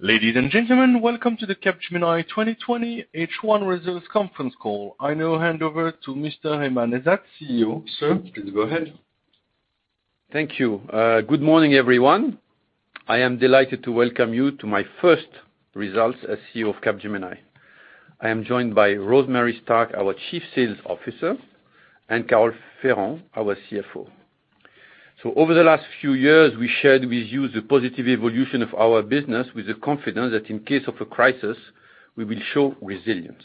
Ladies and gentlemen, welcome to the Capgemini 2020 H1 Results Conference Call. I now hand over to Mr. Aiman Ezzat, CEO. Sir, please go ahead. Thank you. Good morning, everyone. I am delighted to welcome you to my first Results as CEO of Capgemini. I am joined by Rosemary Stark, our Chief Sales Officer, and Carole Ferrand, our CFO. Over the last few years, we shared with you the positive evolution of our business with the confidence that in case of a crisis, we will show resilience.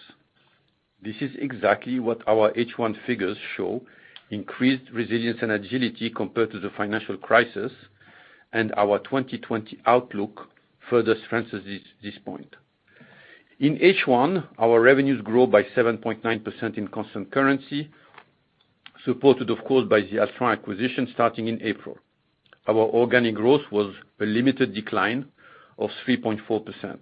This is exactly what our H1 figures show: increased resilience and agility compared to the financial crisis, and our 2020 outlook further strengthens this point. In H1, our revenues grew by 7.9% in constant currency, supported, of course, by the Altran acquisition starting in April. Our organic growth was a limited decline of 3.4%.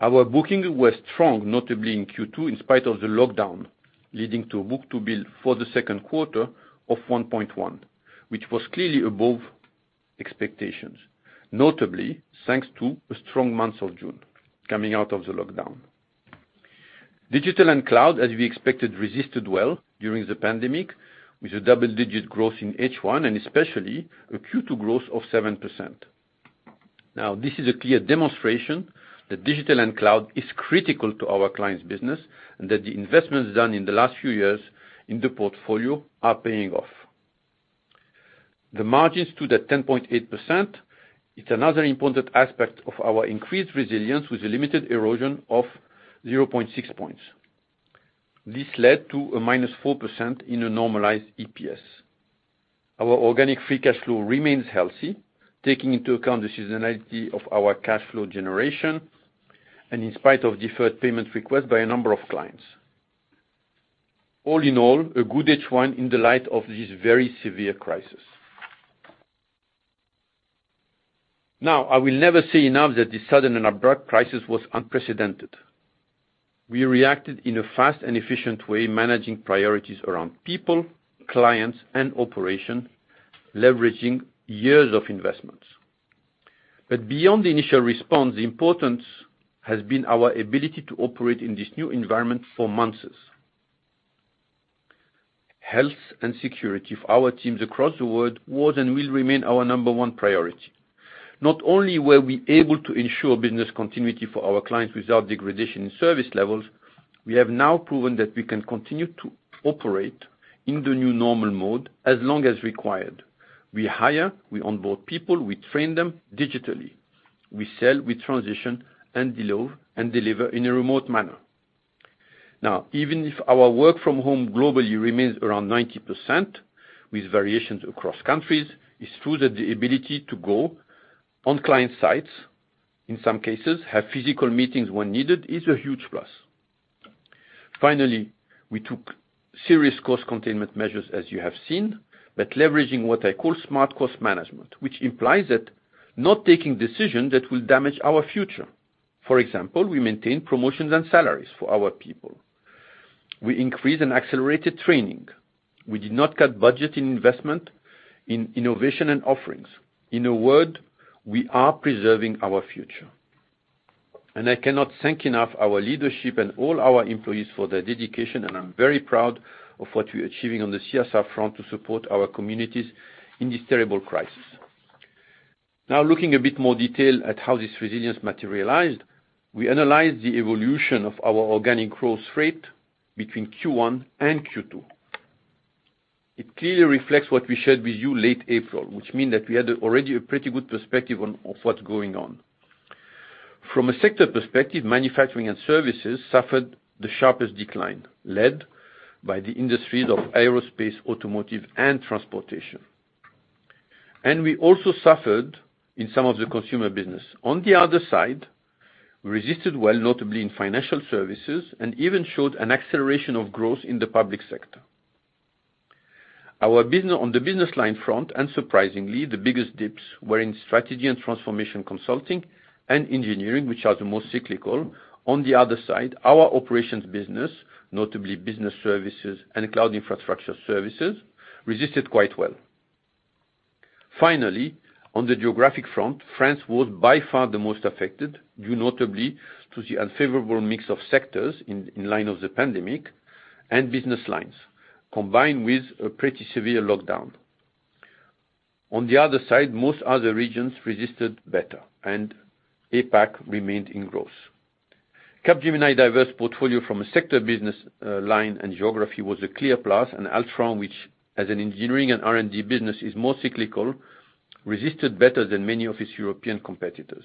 Our booking was strong, notably in Q2, in spite of the lockdown, leading to a book-to-bill for the second quarter of 1.1, which was clearly above expectations, notably thanks to a strong month of June coming out of the lockdown. Digital and cloud, as we expected, resisted well during the pandemic, with a double-digit growth in H1 and especially a Q2 growth of 7%. Now, this is a clear demonstration that digital and cloud are critical to our clients' business and that the investments done in the last few years in the portfolio are paying off. The margins stood at 10.8%. It's another important aspect of our increased resilience, with a limited erosion of 0.6 percentage points. This led to a -4% in a normalized EPS. Our organic free cash flow remains healthy, taking into account the seasonality of our cash flow generation and in spite of deferred payment requests by a number of clients. All in all, a good H1 in the light of this very severe crisis. I will never say enough that this sudden and abrupt crisis was unprecedented. We reacted in a fast and efficient way, managing priorities around people, clients, and operations, leveraging years of investments. Beyond the initial response, the importance has been our ability to operate in this new environment for months. Health and security for our teams across the world was and will remain our number one priority. Not only were we able to ensure business continuity for our clients without degradation in service levels, we have now proven that we can continue to operate in the new normal mode as long as required. We hire, we onboard people, we train them digitally. We sell, we transition, and deliver in a remote manner. Now, even if our work from home globally remains around 90%, with variations across countries, it's true that the ability to go on client sites, in some cases, have physical meetings when needed, is a huge plus. Finally, we took serious cost containment measures, as you have seen, but leveraging what I call smart cost management, which implies that not taking decisions that will damage our future. For example, we maintain promotions and salaries for our people. We increase and accelerate training. We did not cut budget in investment in innovation and offerings. In a word, we are preserving our future. I cannot thank enough our leadership and all our employees for their dedication, and I'm very proud of what we are achieving on the CSR front to support our communities in this terrible crisis. Now, looking a bit more detail at how this resilience materialized, we analyzed the evolution of our organic growth rate between Q1 and Q2. It clearly reflects what we shared with you late April, which means that we had already a pretty good perspective of what's going on. From a sector perspective, manufacturing and services suffered the sharpest decline, led by the industries of aerospace, automotive, and transportation. We also suffered in some of the consumer business. On the other side, we resisted well, notably in financial services, and even showed an acceleration of growth in the public sector. On the business line front, unsurprisingly, the biggest dips were in strategy and transformation consulting and engineering, which are the most cyclical. On the other side, our operations business, notably business services and cloud infrastructure services, resisted quite well. Finally, on the geographic front, France was by far the most affected due, notably, to the unfavorable mix of sectors in line of the pandemic and business lines, combined with a pretty severe lockdown. On the other side, most other regions resisted better, and APAC remained in growth. Capgemini diverse portfolio, from a sector business line and geography, was a clear plus, and Altran, which, as an engineering and R&D business, is more cyclical, resisted better than many of its European competitors.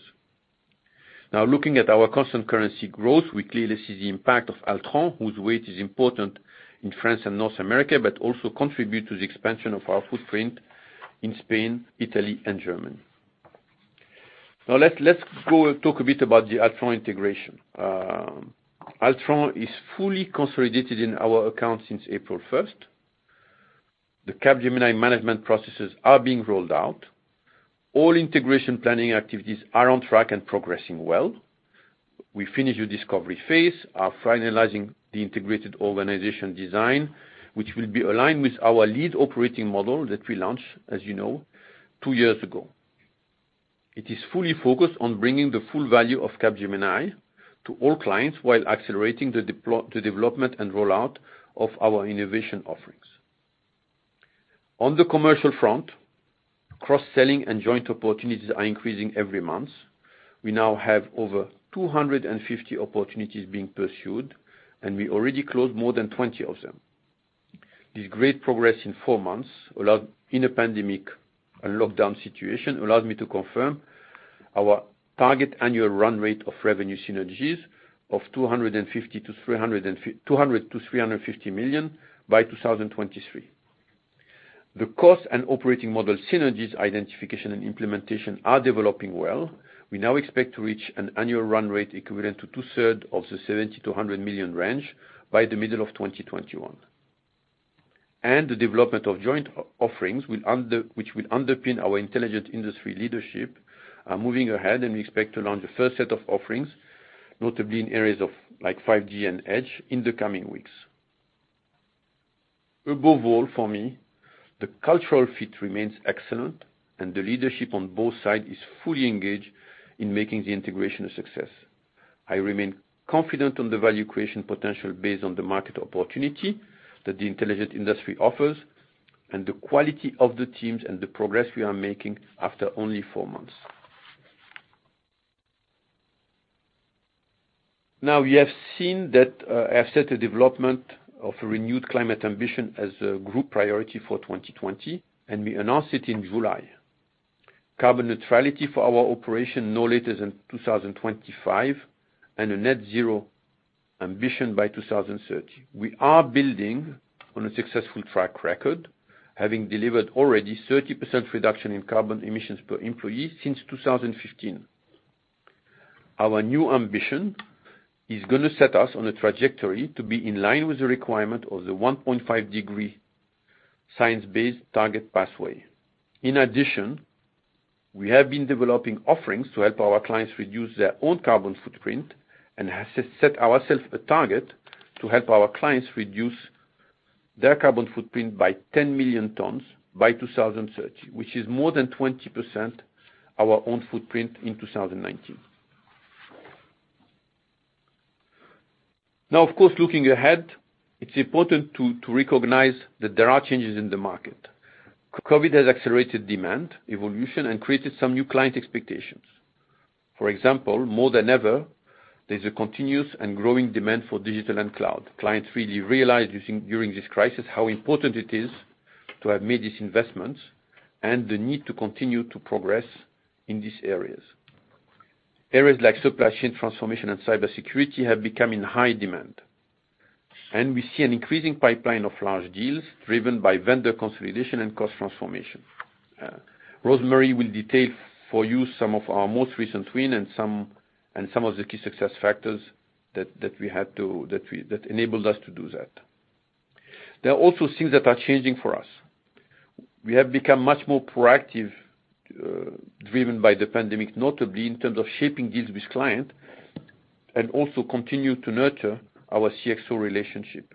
Now, looking at our constant currency growth, we clearly see the impact of Altran, whose weight is important in France and North America, but also contributes to the expansion of our footprint in Spain, Italy, and Germany. Now, let's talk a bit about the Altran integration. Altran is fully consolidated in our account since April 1, 2020. The Capgemini management processes are being rolled out. All integration planning activities are on track and progressing well. We finished the discovery phase, are finalizing the integrated organization design, which will be aligned with our lead operating model that we launched, as you know, two years ago. It is fully focused on bringing the full value of Capgemini to all clients while accelerating the development and rollout of our innovation offerings. On the commercial front, cross-selling and joint opportunities are increasing every month. We now have over 250 opportunities being pursued, and we already closed more than 20 of them. This great progress in four months, in a pandemic and lockdown situation, allows me to confirm our target annual run rate of revenue synergies of 250 million-350 million by 2023. The cost and operating model synergies identification and implementation are developing well. We now expect to reach an annual run rate equivalent to two-thirds of the 70 million-100 million range by the middle of 2021. The development of joint offerings, which will underpin our intelligent industry leadership, are moving ahead, and we expect to launch a first set of offerings, notably in areas like 5G and edge, in the coming weeks. Above all, for me, the cultural fit remains excellent, and the leadership on both sides is fully engaged in making the integration a success. I remain confident on the value creation potential based on the market opportunity that the intelligent industry offers and the quality of the teams and the progress we are making after only four months. Now, we have seen that I have set a development of a renewed climate ambition as a group priority for 2020, and we announced it in July. Carbon neutrality for our operation, no later than 2025, and a net zero ambition by 2030. We are building on a successful track record, having delivered already 30% reduction in carbon emissions per employee since 2015. Our new ambition is going to set us on a trajectory to be in line with the requirement of the 1.5-degree science-based target pathway. In addition, we have been developing offerings to help our clients reduce their own carbon footprint and set ourselves a target to help our clients reduce their carbon footprint by 10 million tons by 2030, which is more than 20% of our own footprint in 2019. Now, of course, looking ahead, it's important to recognize that there are changes in the market. COVID has accelerated demand evolution and created some new client expectations. For example, more than ever, there's a continuous and growing demand for digital and cloud. Clients really realized during this crisis how important it is to have made these investments and the need to continue to progress in these areas. Areas like supply chain transformation and cybersecurity have become in high demand. We see an increasing pipeline of large deals driven by vendor consolidation and cost transformation. Rosemary will detail for you some of our most recent wins and some of the key success factors that we had that enabled us to do that. There are also things that are changing for us. We have become much more proactive, driven by the pandemic, notably in terms of shaping deals with clients and also continuing to nurture our CXO relationship.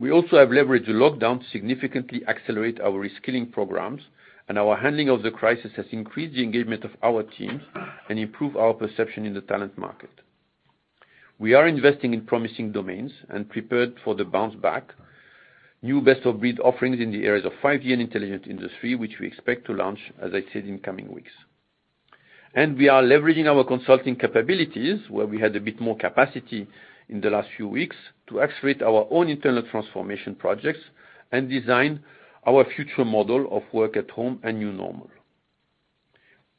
We also have leveraged the lockdown to significantly accelerate our reskilling programs, and our handling of the crisis has increased the engagement of our teams and improved our perception in the talent market. We are investing in promising domains and prepared for the bounce back, new best-of-breed offerings in the areas of 5G and intelligent industry, which we expect to launch, as I said, in coming weeks. We are leveraging our consulting capabilities, where we had a bit more capacity in the last few weeks, to accelerate our own internal transformation projects and design our future model of work at home and new normal.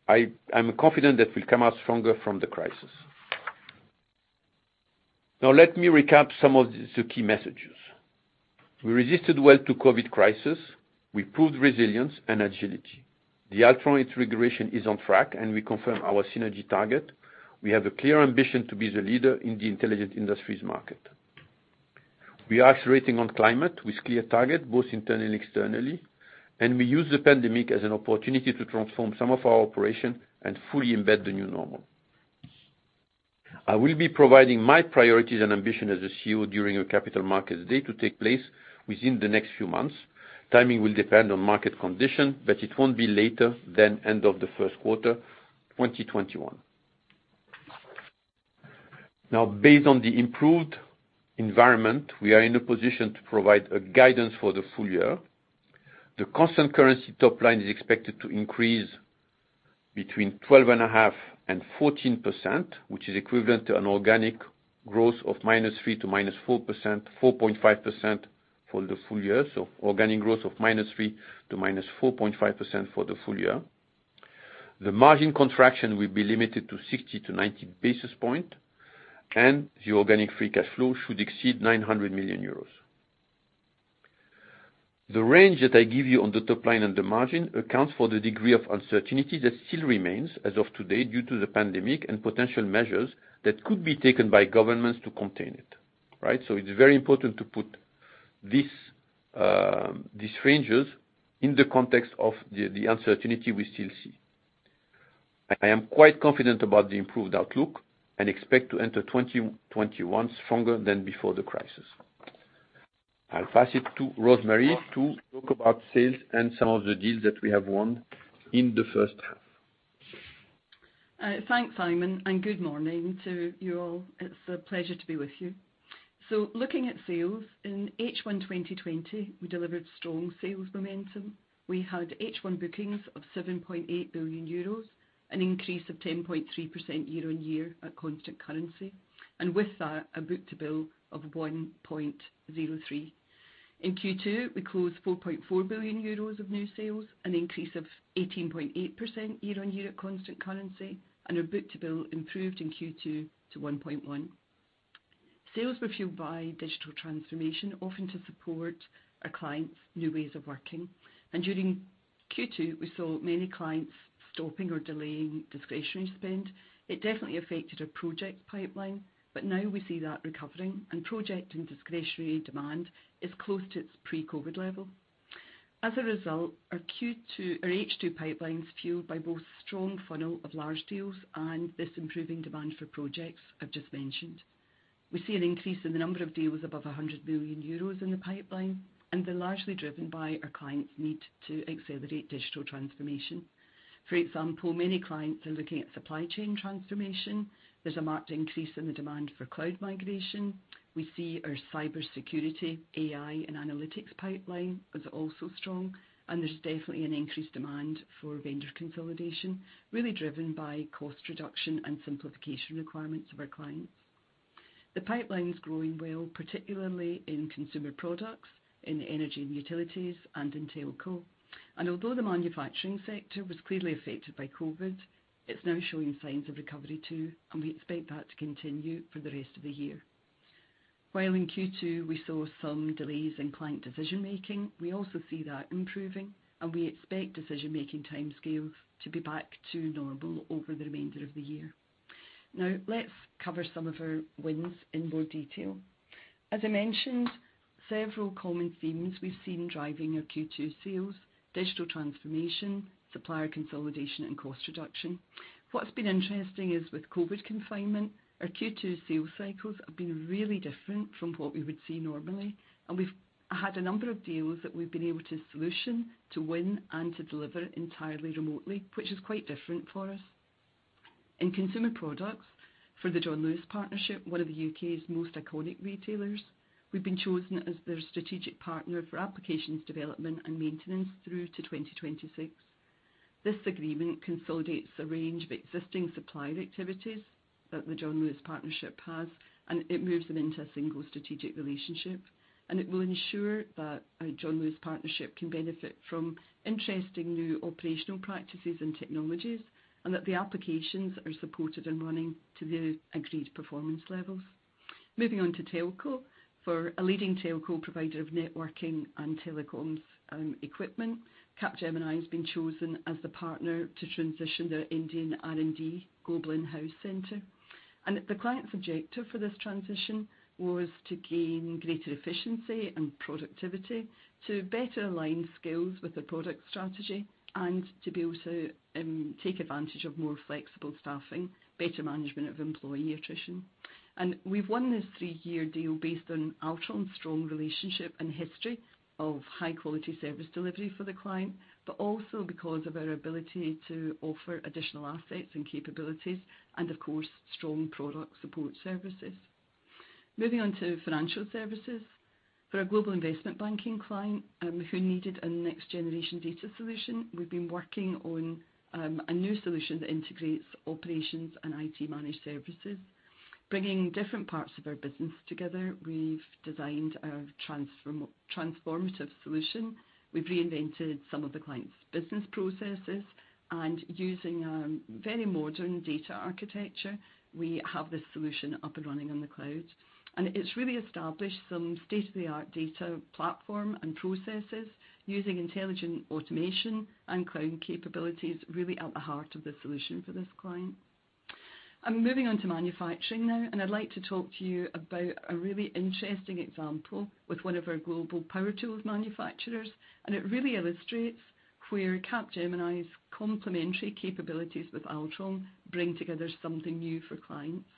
I'm confident that we'll come out stronger from the crisis. Now, let me recap some of the key messages. We resisted well to COVID crisis. We proved resilience and agility. The Altran integration is on track, and we confirm our synergy target. We have a clear ambition to be the leader in the intelligent industries market. We are accelerating on climate with clear targets, both internally and externally, and we use the pandemic as an opportunity to transform some of our operations and fully embed the new normal. I will be providing my priorities and ambition as CEO during a capital markets day to take place within the next few months. Timing will depend on market conditions, but it won't be later than the end of the first quarter of 2021. Now, based on the improved environment, we are in a position to provide guidance for the full year. The constant currency top line is expected to increase between 12.5% and 14%, which is equivalent to an organic growth of minus 3% to minus 4.5% for the full year. The margin contraction will be limited to 60 to 90 basis points, and the organic free cash flow should exceed 900 million euros. The range that I give you on the top line and the margin accounts for the degree of uncertainty that still remains as of today due to the pandemic and potential measures that could be taken by governments to contain it. Right? It is very important to put these ranges in the context of the uncertainty we still see. I am quite confident about the improved outlook and expect to enter 2021 stronger than before the crisis. I'll pass it to Rosemary to talk about sales and some of the deals that we have won in the first half. Thanks, Aiman, and good morning to you all. It is a pleasure to be with you. Looking at sales, in H1 2020, we delivered strong sales momentum. We had H1 bookings of 7.8 billion euros, an increase of 10.3% year on year at constant currency, and with that, a book-to-bill of 1.03. In Q2, we closed 4.4 billion euros of new sales, an increase of 18.8% year on year at constant currency, and our book-to-bill improved in Q2 to 1.1. Sales were fueled by digital transformation, often to support our clients' new ways of working. During Q2, we saw many clients stopping or delaying discretionary spend. It definitely affected our project pipeline, but now we see that recovering, and projecting discretionary demand is close to its pre-COVID level. As a result, our H2 pipeline is fueled by both strong funnel of large deals and this improving demand for projects I've just mentioned. We see an increase in the number of deals above 100 million euros in the pipeline, and they're largely driven by our clients' need to accelerate digital transformation. For example, many clients are looking at supply chain transformation. There's a marked increase in the demand for cloud migration. We see our cybersecurity, AI, and analytics pipeline is also strong, and there's definitely an increased demand for vendor consolidation, really driven by cost reduction and simplification requirements of our clients. The pipeline is growing well, particularly in consumer products, in energy and utilities, and in telco. Although the manufacturing sector was clearly affected by COVID, it's now showing signs of recovery too, and we expect that to continue for the rest of the year. While in Q2, we saw some delays in client decision-making, we also see that improving, and we expect decision-making timescales to be back to normal over the remainder of the year. Now, let's cover some of our wins in more detail. As I mentioned, several common themes we've seen driving our Q2 sales: digital transformation, supplier consolidation, and cost reduction. What's been interesting is, with COVID confinement, our Q2 sales cycles have been really different from what we would see normally, and we've had a number of deals that we've been able to solution to win and to deliver entirely remotely, which is quite different for us. In consumer products, for the John Lewis Partnership, one of the U.K.'s most iconic retailers, we've been chosen as their strategic partner for applications development and maintenance through to 2026. This agreement consolidates a range of existing supplier activities that the John Lewis Partnership has, and it moves them into a single strategic relationship, and it will ensure that our John Lewis Partnership can benefit from interesting new operational practices and technologies, and that the applications are supported and running to the agreed performance levels. Moving on to telco, for a leading telco provider of networking and telecoms equipment, Capgemini has been chosen as the partner to transition their Indian R&D Global in-house center. The client's objective for this transition was to gain greater efficiency and productivity, to better align skills with the product strategy, and to be able to take advantage of more flexible staffing, better management of employee attrition. We've won this three-year deal based on Capgemini's strong relationship and history of high-quality service delivery for the client, but also because of our ability to offer additional assets and capabilities, and of course, strong product support services. Moving on to financial services, for our global investment banking client who needed a next-generation data solution, we've been working on a new solution that integrates operations and IT-managed services, bringing different parts of our business together. We've designed a transformative solution. We've reinvented some of the client's business processes, and using a very modern data architecture, we have this solution up and running on the cloud. It has really established some state-of-the-art data platform and processes using intelligent automation and cloud capabilities, really at the heart of the solution for this client. I'm moving on to manufacturing now, and I'd like to talk to you about a really interesting example with one of our global power tools manufacturers, and it really illustrates where Capgemini's complementary capabilities with Altran bring together something new for clients.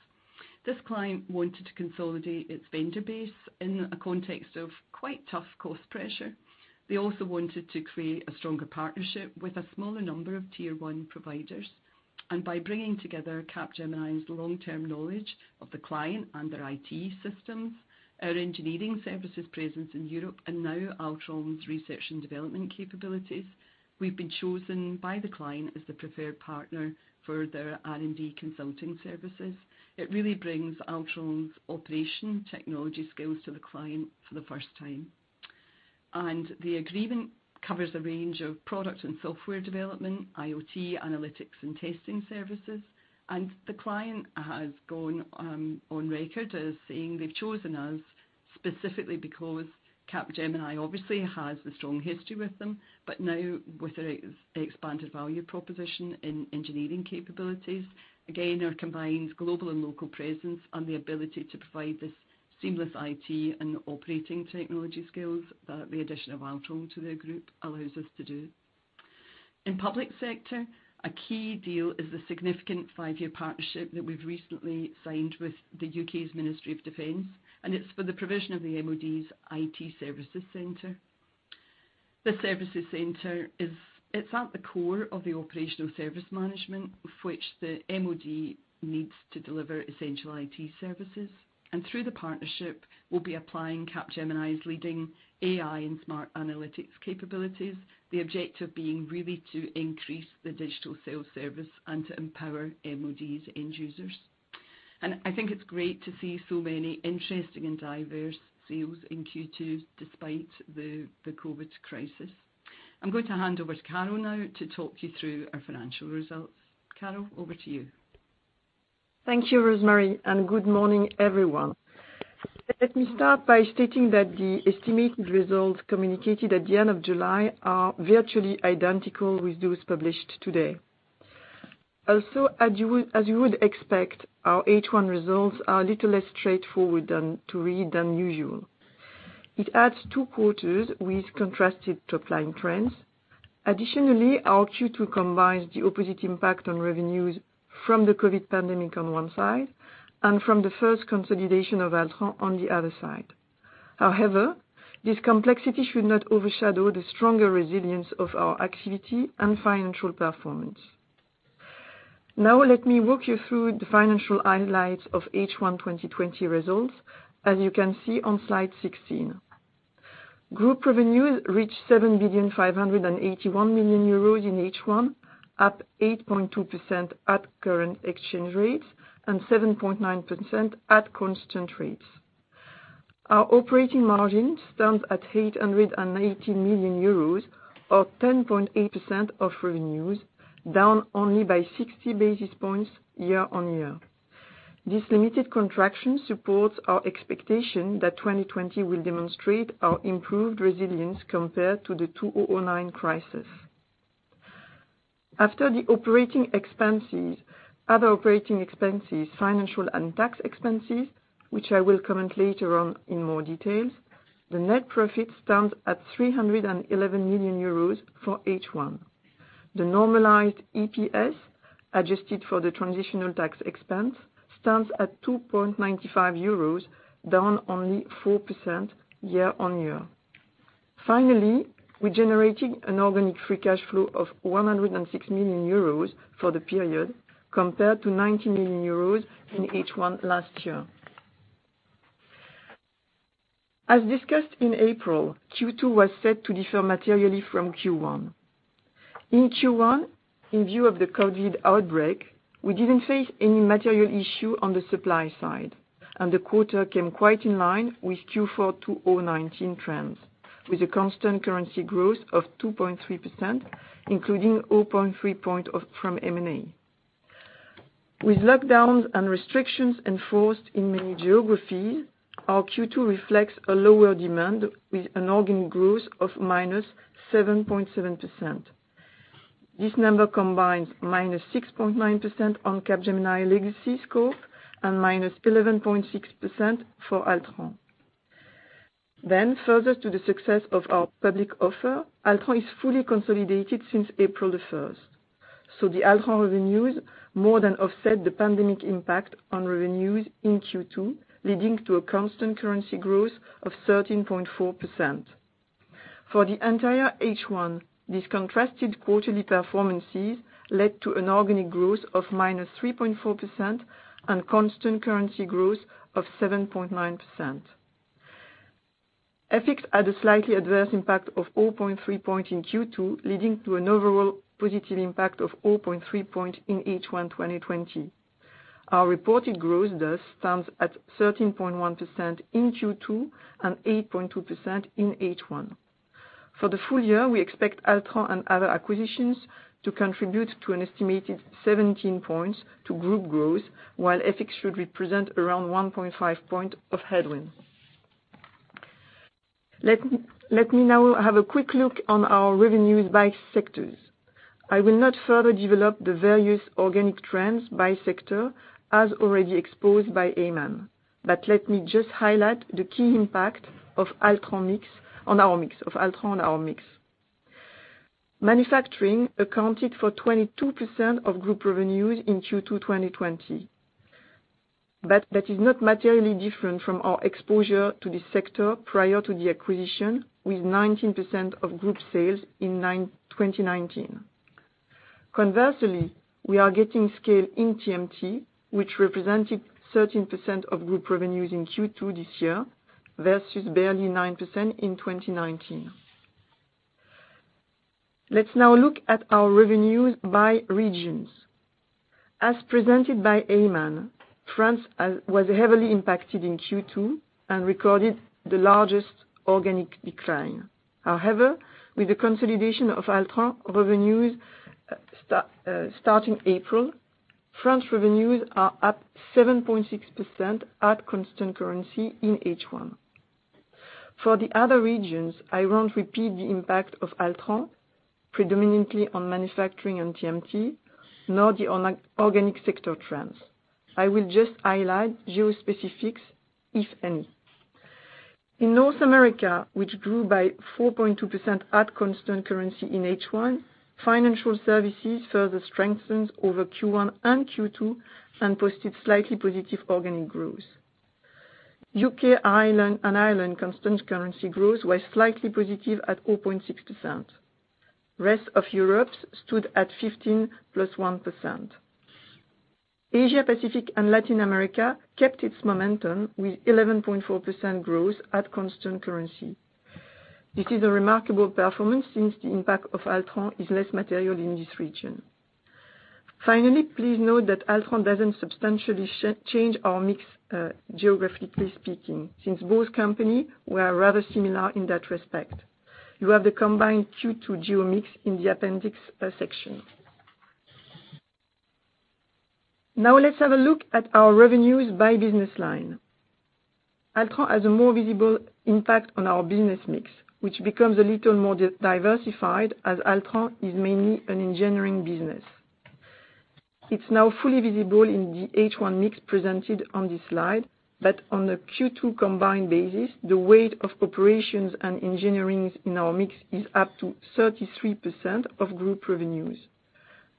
This client wanted to consolidate its vendor base in a context of quite tough cost pressure. They also wanted to create a stronger partnership with a smaller number of tier-one providers. By bringing together Capgemini's long-term knowledge of the client and their IT systems, our engineering services presence in Europe, and now Altran's research and development capabilities, we've been chosen by the client as the preferred partner for their R&D consulting services. It really brings Altran's operation technology skills to the client for the first time. The agreement covers a range of product and software development, IoT, analytics, and testing services. The client has gone on record as saying they've chosen us specifically because Capgemini obviously has a strong history with them, but now with their expanded value proposition in engineering capabilities, again, our combined global and local presence, and the ability to provide this seamless IT and operating technology skills that the addition of Altran to their group allows us to do. In public sector, a key deal is the significant five-year partnership that we've recently signed with the U.K.'s Ministry of Defence, and it's for the provision of the MOD's IT services centre. The services centre is at the core of the operational service management, which the MOD needs to deliver essential IT services. Through the partnership, we'll be applying Capgemini's leading AI and smart analytics capabilities, the objective being really to increase the digital self-service and to empower MOD's end users. I think it's great to see so many interesting and diverse sales in Q2 despite the COVID crisis. I'm going to hand over to Carole now to talk you through our financial results. Carole, over to you. Thank you, Rosemary, and good morning, everyone. Let me start by stating that the estimated results communicated at the end of July are virtually identical with those published today. Also, as you would expect, our H1 results are a little less straightforward to read than usual. It adds two quarters with contrasted top line trends. Additionally, our Q2 combines the opposite impact on revenues from the COVID pandemic on one side and from the first consolidation of Altran on the other side. However, this complexity should not overshadow the stronger resilience of our activity and financial performance. Now, let me walk you through the financial highlights of H1 2020 results, as you can see on slide 16. Group revenues reached 7,581 million euros in H1, up 8.2% at current exchange rates and 7.9% at constant rates. Our operating margin stands at 880 million euros, or 10.8% of revenues, down only by 60 basis points year on year. This limited contraction supports our expectation that 2020 will demonstrate our improved resilience compared to the 2009 crisis. After the operating expenses, other operating expenses, financial and tax expenses, which I will comment later on in more detail, the net profit stands at 311 million euros for H1. The normalized EPS, adjusted for the transitional tax expense, stands at 2.95 euros, down only 4% year on year. Finally, we generated an organic free cash flow of 106 million euros for the period compared to 90 million euros in H1 last year. As discussed in April, Q2 was set to differ materially from Q1. In Q1, in view of the COVID outbreak, we did not face any material issue on the supply side, and the quarter came quite in line with Q4 2019 trends, with a constant currency growth of 2.3%, including 0.3 percentage points from M&A. With lockdowns and restrictions enforced in many geographies, our Q2 reflects a lower demand with an organic growth of -7.7%. This number combines minus 6.9% on Capgemini Legacy scope and minus 11.6% for Altran. Further to the success of our public offer, Altran is fully consolidated since April 1. The Altran revenues more than offset the pandemic impact on revenues in Q2, leading to a constant currency growth of 13.4%. For the entire H1, these contrasted quarterly performances led to an organic growth of minus 3.4% and constant currency growth of 7.9%. Effects had a slightly adverse impact of 0.3 percentage points in Q2, leading to an overall positive impact of 0.3 percentage points in H1 2020. Our reported growth, thus, stands at 13.1% in Q2 and 8.2% in H1. For the full year, we expect Altran and other acquisitions to contribute an estimated 17 percentage points to group growth, while Effects should represent around 1.5 percentage points of headwind. Let me now have a quick look on our revenues by sectors. I will not further develop the various organic trends by sector, as already exposed by Aiman, but let me just highlight the key impact of Altran mix on our mix of Altran and our mix. Manufacturing accounted for 22% of group revenues in Q2 2020, but that is not materially different from our exposure to the sector prior to the acquisition, with 19% of group sales in 2019. Conversely, we are getting scale in TMT, which represented 13% of group revenues in Q2 this year versus barely 9% in 2019. Let's now look at our revenues by regions. As presented by Aiman, France was heavily impacted in Q2 and recorded the largest organic decline. However, with the consolidation of Altran revenues starting April, French revenues are up 7.6% at constant currency in H1. For the other regions, I will not repeat the impact of Altran, predominantly on manufacturing and TMT, nor the organic sector trends. I will just highlight geo-specifics, if any. In North America, which grew by 4.2% at constant currency in the first half, financial services further strengthened over Q1 and Q2 and posted slightly positive organic growth. U.K. and Ireland, constant currency growth was slightly positive at 0.6%. Rest of Europe stood at 15.1%. Asia-Pacific and Latin America kept its momentum with 11.4% growth at constant currency. This is a remarkable performance since the impact of Altran is less material in this region. Finally, please note that Altran does not substantially change our mix, geographically speaking, since both companies were rather similar in that respect. You have the combined Q2 geo mix in the appendix section. Now, let us have a look at our revenues by business line. Altran has a more visible impact on our business mix, which becomes a little more diversified as Altran is mainly an engineering business. It is now fully visible in the H1 mix presented on this slide, but on the Q2 combined basis, the weight of operations and engineering in our mix is up to 33% of group revenues.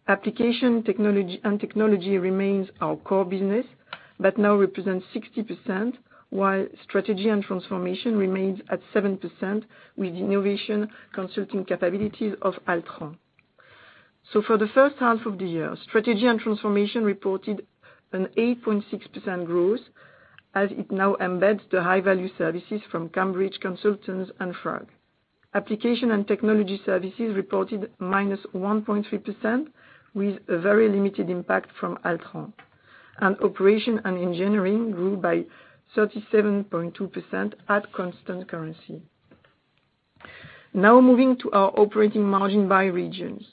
Application and technology remains our core business, but now represents 60%, while strategy and transformation remains at 7% with the innovation consulting capabilities of Altran. For the first half of the year, strategy and transformation reported an 8.6% growth as it now embeds the high-value services from Cambridge Consultants and Frog. Application and technology services reported -1.3% with a very limited impact from Altran. Operation and engineering grew by 37.2% at constant currency. Now, moving to our operating margin by regions.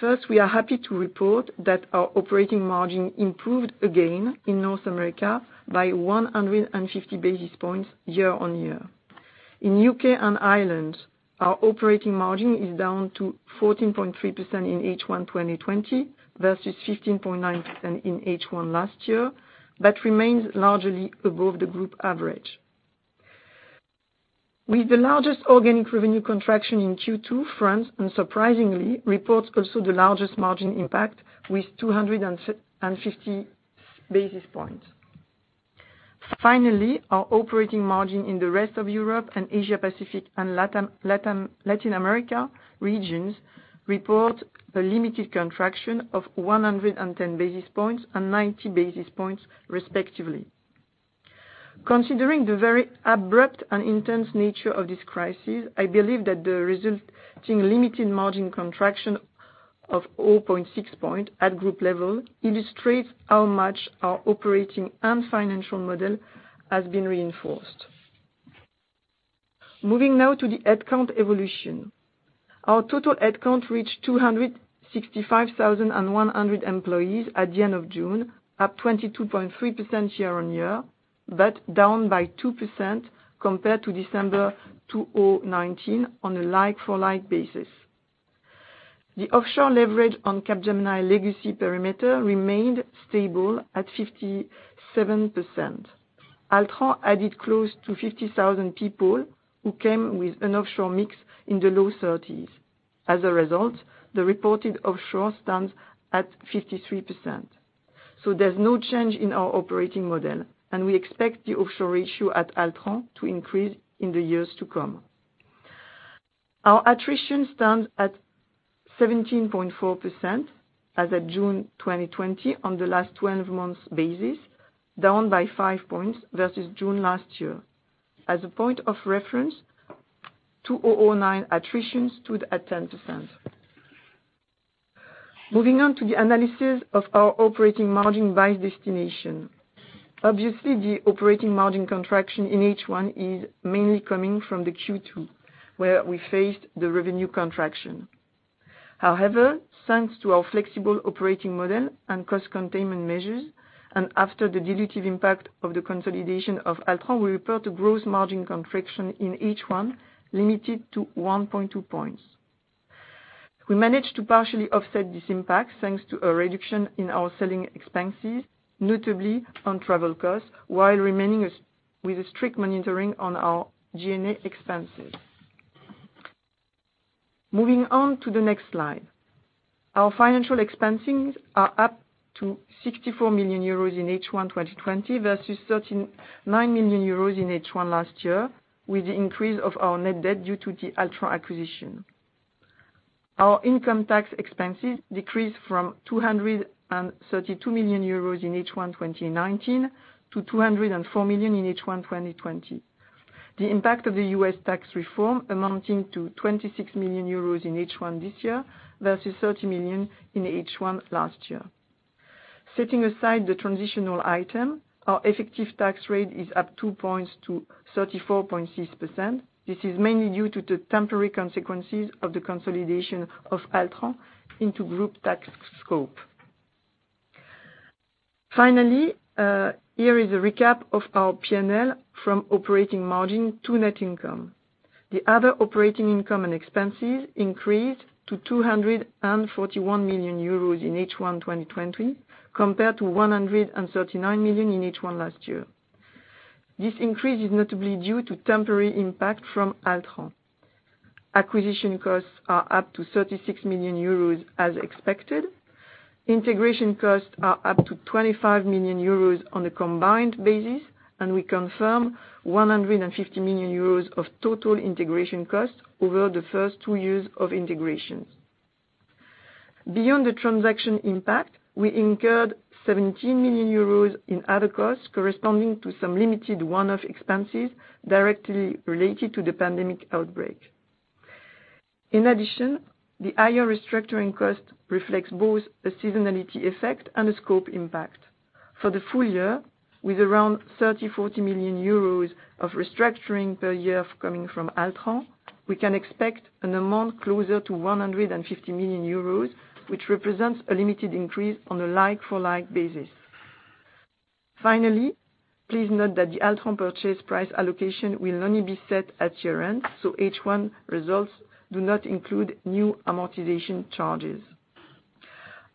First, we are happy to report that our operating margin improved again in North America by 150 basis points year on year. In U.K. and Ireland, our operating margin is down to 14.3% in H1 2020 versus 15.9% in H1 last year, but remains largely above the group average. With the largest organic revenue contraction in Q2, France unsurprisingly reports also the largest margin impact with 250 basis points. Finally, our operating margin in the rest of Europe and Asia-Pacific and Latin America regions reports a limited contraction of 110 basis points and 90 basis points respectively. Considering the very abrupt and intense nature of this crisis, I believe that the resulting limited margin contraction of 0.6 points at group level illustrates how much our operating and financial model has been reinforced. Moving now to the headcount evolution. Our total headcount reached 265,100 employees at the end of June, up 22.3% year on year, but down by 2% compared to December 2019 on a like-for-like basis. The offshore leverage on Capgemini Legacy perimeter remained stable at 57%. Altran added close to 50,000 people who came with an offshore mix in the low 30s. As a result, the reported offshore stands at 53%. There is no change in our operating model, and we expect the offshore ratio at Altran to increase in the years to come. Our attrition stands at 17.4% as of June 2020 on the last 12 months basis, down by 5 percentage points versus June last year. As a point of reference, 2009 attrition stood at 10%. Moving on to the analysis of our operating margin by destination. Obviously, the operating margin contraction in H1 is mainly coming from the Q2, where we faced the revenue contraction. However, thanks to our flexible operating model and cost containment measures, and after the dilutive impact of the consolidation of Altran, we report a gross margin contraction in H1 limited to 1.2 percentage points. We managed to partially offset this impact thanks to a reduction in our selling expenses, notably on travel costs, while remaining with strict monitoring on our G&A expenses. Moving on to the next slide. Our financial expenses are up to 64 million euros in H1 2020 versus 39 million euros in H1 last year, with the increase of our net debt due to the Altran acquisition. Our income tax expenses decreased from 232 million euros in H1 2019 to 204 million in H1 2020. The impact of the U.S. tax reform amounting to 26 million euros in H1 this year versus 30 million in H1 last year. Setting aside the transitional item, our effective tax rate is up 2 percentage points to 34.6%. This is mainly due to the temporary consequences of the consolidation of Altran into group tax scope. Finally, here is a recap of our P&L from operating margin to net income. The other operating income and expenses increased to 241 million euros in H1 2020 compared to 139 million in H1 last year. This increase is notably due to temporary impact from Altran. Acquisition costs are up to 36 million euros as expected. Integration costs are up to 25 million euros on the combined basis, and we confirm 150 million euros of total integration costs over the first two years of integration. Beyond the transaction impact, we incurred 17 million euros in other costs corresponding to some limited one-off expenses directly related to the pandemic outbreak. In addition, the higher restructuring cost reflects both a seasonality effect and a scope impact. For the full year, with around 30 million-40 million euros of restructuring per year coming from Altran, we can expect an amount closer to 150 million euros, which represents a limited increase on a like-for-like basis. Finally, please note that the Altran purchase price allocation will only be set at year-end, so H1 results do not include new amortization charges.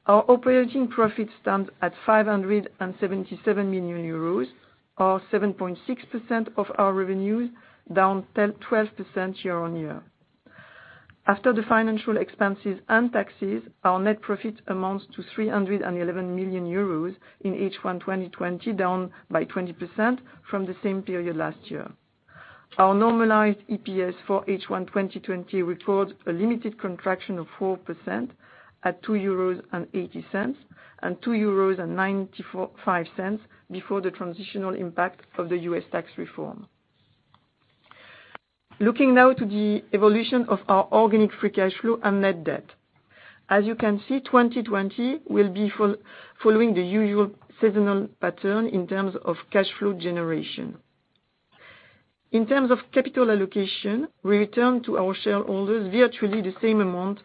Our operating profit stands at 577 million euros, or 7.6% of our revenues, down 12% year on year. After the financial expenses and taxes, our net profit amounts to 311 million euros in H1 2020, down by 20% from the same period last year. Our normalized EPS for H1 2020 records a limited contraction of 4% at 2.80 euros and 2.95 euros before the transitional impact of the U.S. tax reform. Looking now to the evolution of our organic free cash flow and net debt. As you can see, 2020 will be following the usual seasonal pattern in terms of cash flow generation. In terms of capital allocation, we returned to our shareholders virtually the same amount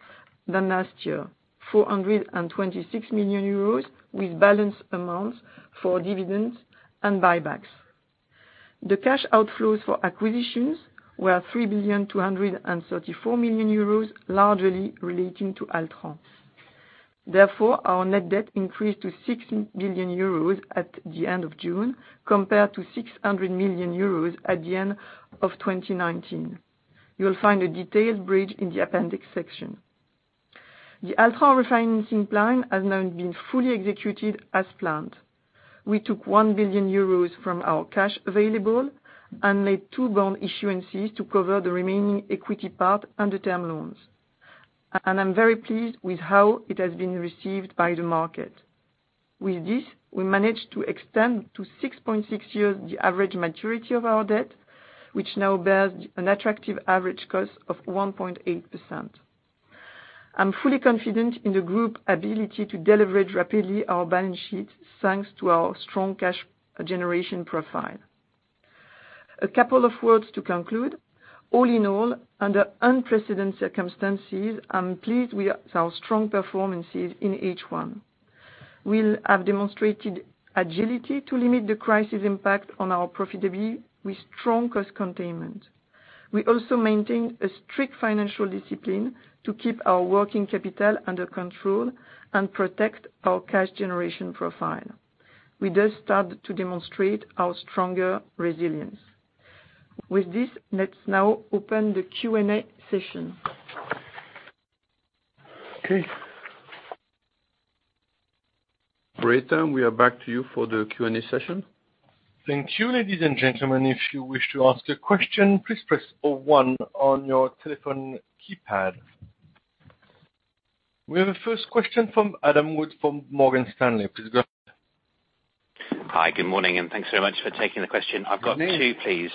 as last year, 426 million euros, with balanced amounts for dividends and buybacks. The cash outflows for acquisitions were 3.234 billion, largely relating to Altran. Therefore, our net debt increased to 6 billion euros at the end of June compared to 600 million euros at the end of 2019. You'll find a detailed bridge in the appendix section. The AlphaTrain refinancing plan has now been fully executed as planned. We took 1 billion euros from our cash available and made two bond issuances to cover the remaining equity part and the term loans. I am very pleased with how it has been received by the market. With this, we managed to extend to 6.6 years the average maturity of our debt, which now bears an attractive average cost of 1.8%. I am fully confident in the group ability to deliver rapidly our balance sheet thanks to our strong cash generation profile. A couple of words to conclude. All in all, under unprecedented circumstances, I am pleased with our strong performances in H1. We have demonstrated agility to limit the crisis impact on our profitability with strong cost containment. We also maintained a strict financial discipline to keep our working capital under control and protect our cash generation profile. We just started to demonstrate our stronger resilience. With this, let's now open the Q&A session. Okay. Brettan, we are back to you for the Q&A session. Thank you, ladies and gentlemen. If you wish to ask a question, please press one on your telephone keypad. We have a first question from Adam Wood from Morgan Stanley. Please go ahead. Hi, good morning, and thanks very much for taking the question. I've got two, please.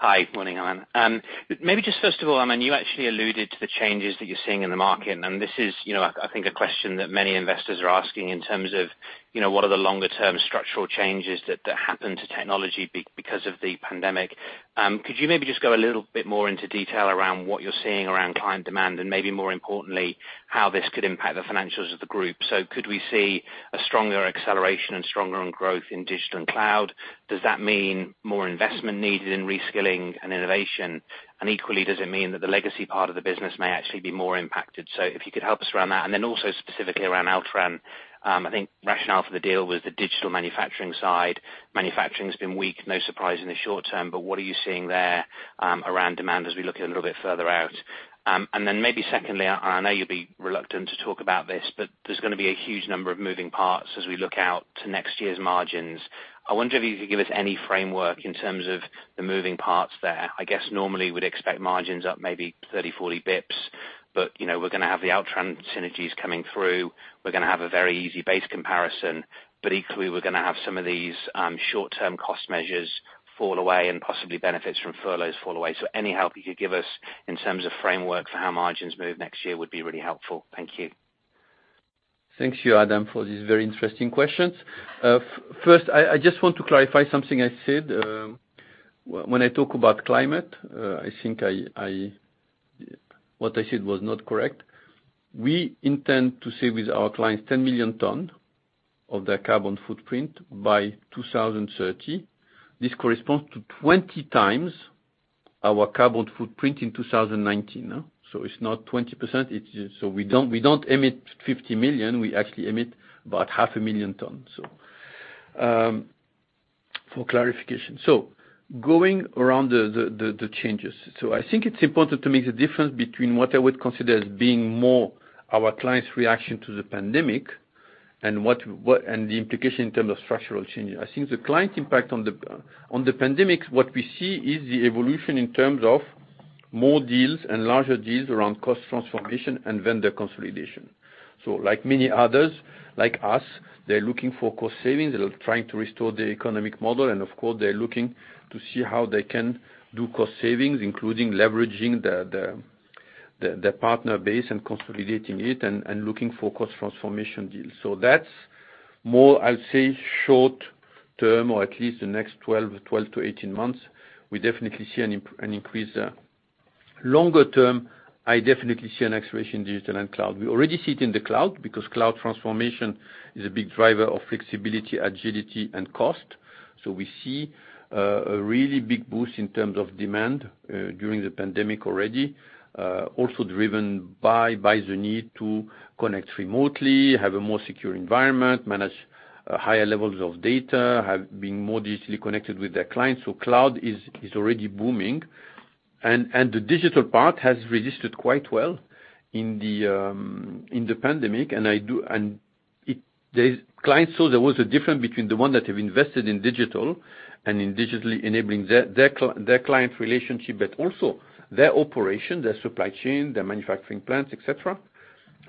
Hi, good morning, Aiman. Maybe just first of all, Aiman, you actually alluded to the changes that you're seeing in the market, and this is, I think, a question that many investors are asking in terms of what are the longer-term structural changes that happened to technology because of the pandemic. Could you maybe just go a little bit more into detail around what you're seeing around client demand and maybe more importantly, how this could impact the financials of the group? Could we see a stronger acceleration and stronger growth in digital and cloud? Does that mean more investment needed in reskilling and innovation? Equally, does it mean that the legacy part of the business may actually be more impacted? If you could help us around that. Also, specifically around Altran, I think rationale for the deal was the digital manufacturing side. Manufacturing has been weak, no surprise in the short term, but what are you seeing there around demand as we look a little bit further out? Then maybe secondly, and I know you'll be reluctant to talk about this, but there's going to be a huge number of moving parts as we look out to next year's margins. I wonder if you could give us any framework in terms of the moving parts there. I guess normally we'd expect margins up maybe 30, 40 basis points, but we're going to have the Altran synergies coming through. We're going to have a very easy base comparison, but equally, we're going to have some of these short-term cost measures fall away and possibly benefits from furloughs fall away. Any help you could give us in terms of framework for how margins move next year would be really helpful. Thank you. Thank you, Adam, for these very interesting questions. First, I just want to clarify something I said. When I talk about climate, I think what I said was not correct. We intend to save with our clients 10 million tons of their carbon footprint by 2030. This corresponds to 20 times our carbon footprint in 2019. It is not 20%. We do not emit 50 million. We actually emit about 500,000 tons. For clarification. Going around the changes. I think it is important to make the difference between what I would consider as being more our client's reaction to the pandemic and the implication in terms of structural changes. I think the client impact on the pandemic, what we see is the evolution in terms of more deals and larger deals around cost transformation and vendor consolidation. Like many others, like us, they are looking for cost savings. They are trying to restore the economic model. Of course, they're looking to see how they can do cost savings, including leveraging their partner base and consolidating it and looking for cost transformation deals. That's more, I'd say, short-term, or at least the next 12-18 months. We definitely see an increase. Longer-term, I definitely see an acceleration in digital and cloud. We already see it in the cloud because cloud transformation is a big driver of flexibility, agility, and cost. We see a really big boost in terms of demand during the pandemic already, also driven by the need to connect remotely, have a more secure environment, manage higher levels of data, being more digitally connected with their clients. Cloud is already booming. The digital part has resisted quite well in the pandemic. Clients saw there was a difference between the ones that have invested in digital and in digitally enabling their client relationship, but also their operation, their supply chain, their manufacturing plants, etc.,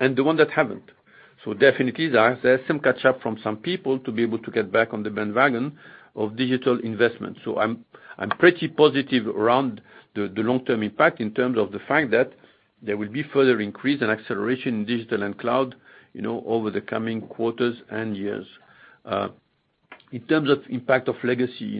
and the ones that have not. Definitely, there is some catch-up from some people to be able to get back on the bandwagon of digital investment. I am pretty positive around the long-term impact in terms of the fact that there will be further increase and acceleration in digital and cloud over the coming quarters and years. In terms of impact of legacy,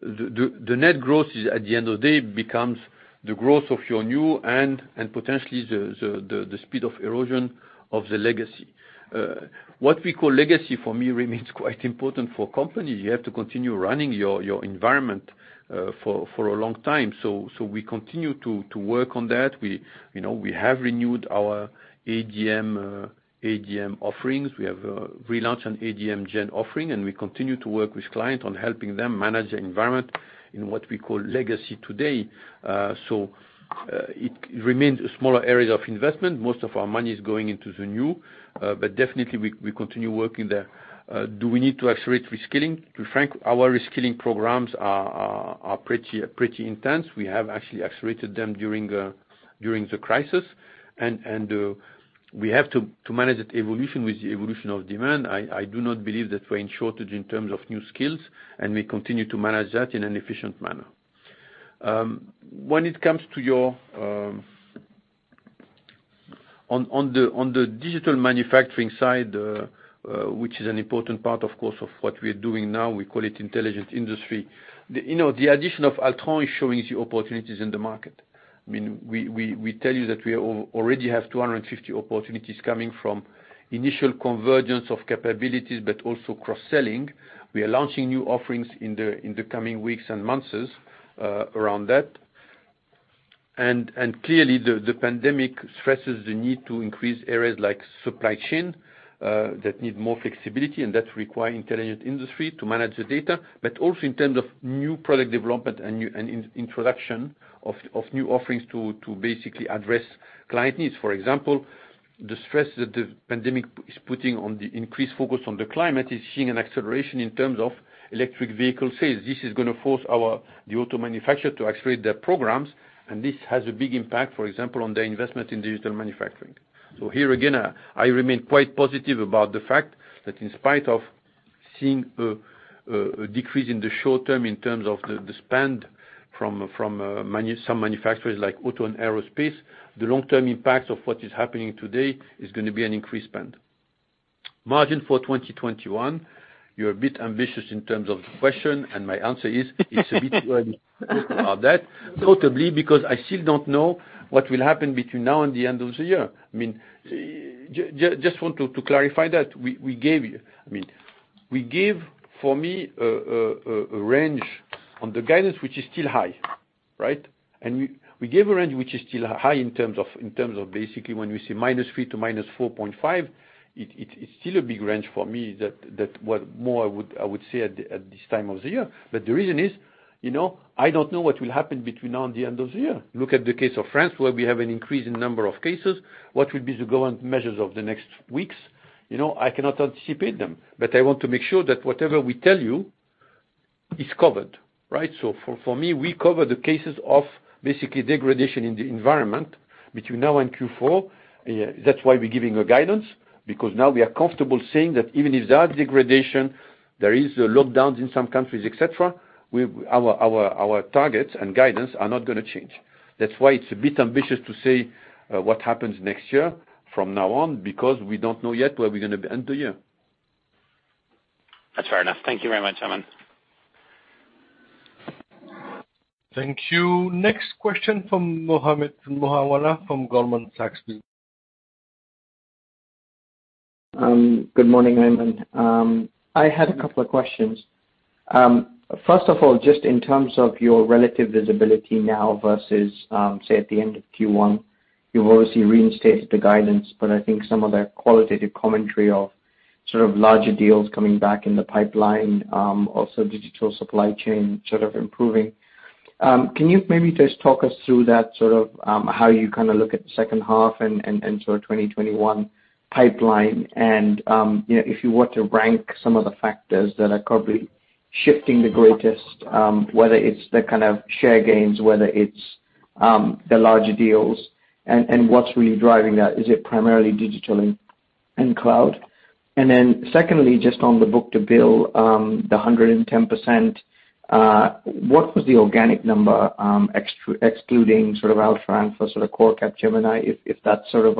the net growth at the end of the day becomes the growth of your new and potentially the speed of erosion of the legacy. What we call legacy for me remains quite important for companies. You have to continue running your environment for a long time. We continue to work on that. We have renewed our ADM offerings. We have relaunched an ADM Gen offering, and we continue to work with clients on helping them manage the environment in what we call legacy today. It remains a smaller area of investment. Most of our money is going into the new, but definitely, we continue working there. Do we need to accelerate reskilling? To be frank, our reskilling programs are pretty intense. We have actually accelerated them during the crisis. We have to manage the evolution with the evolution of demand. I do not believe that we're in shortage in terms of new skills, and we continue to manage that in an efficient manner. When it comes to your on the digital manufacturing side, which is an important part, of course, of what we are doing now, we call it intelligent industry. The addition of Altran is showing the opportunities in the market. I mean, we tell you that we already have 250 opportunities coming from initial convergence of capabilities, but also cross-selling. We are launching new offerings in the coming weeks and months around that. Clearly, the pandemic stresses the need to increase areas like supply chain that need more flexibility, and that requires intelligent industry to manage the data, but also in terms of new product development and introduction of new offerings to basically address client needs. For example, the stress that the pandemic is putting on the increased focus on the climate is seeing an acceleration in terms of electric vehicle sales. This is going to force the auto manufacturer to accelerate their programs, and this has a big impact, for example, on their investment in digital manufacturing. Here again, I remain quite positive about the fact that in spite of seeing a decrease in the short term in terms of the spend from some manufacturers like auto and aerospace, the long-term impact of what is happening today is going to be an increased spend. Margin for 2021, you're a bit ambitious in terms of the question, and my answer is it's a bit early to talk about that, notably because I still don't know what will happen between now and the end of the year. I mean, just want to clarify that. I mean, we gave, for me, a range on the guidance, which is still high, right? We gave a range which is still high in terms of basically when we see -3% to -4.5%. It's still a big range for me than more I would say at this time of the year. The reason is I don't know what will happen between now and the end of the year. Look at the case of France, where we have an increase in number of cases. What will be the government measures of the next weeks? I cannot anticipate them, but I want to make sure that whatever we tell you is covered, right? For me, we cover the cases of basically degradation in the environment between now and Q4. That's why we're giving a guidance, because now we are comfortable saying that even if there are degradations, there is a lockdown in some countries, etc., our targets and guidance are not going to change. That's why it's a bit ambitious to say what happens next year from now on, because we don't know yet where we're going to end the year. That's fair enough. Thank you very much, Aiman. Thank you. Next question from Mohammed Moawalla from Goldman Sachs. Good morning, Aiman. I had a couple of questions. First of all, just in terms of your relative visibility now versus, say, at the end of Q1, you've obviously reinstated the guidance, but I think some of the qualitative commentary of sort of larger deals coming back in the pipeline, also digital supply chain sort of improving. Can you maybe just talk us through that, sort of how you kind of look at the second half and sort of 2021 pipeline? If you were to rank some of the factors that are probably shifting the greatest, whether it's the kind of share gains, whether it's the larger deals, and what's really driving that, is it primarily digital and cloud? Secondly, just on the book-to-bill, the 110%, what was the organic number, excluding sort of Altran for sort of core Capgemini, if that's sort of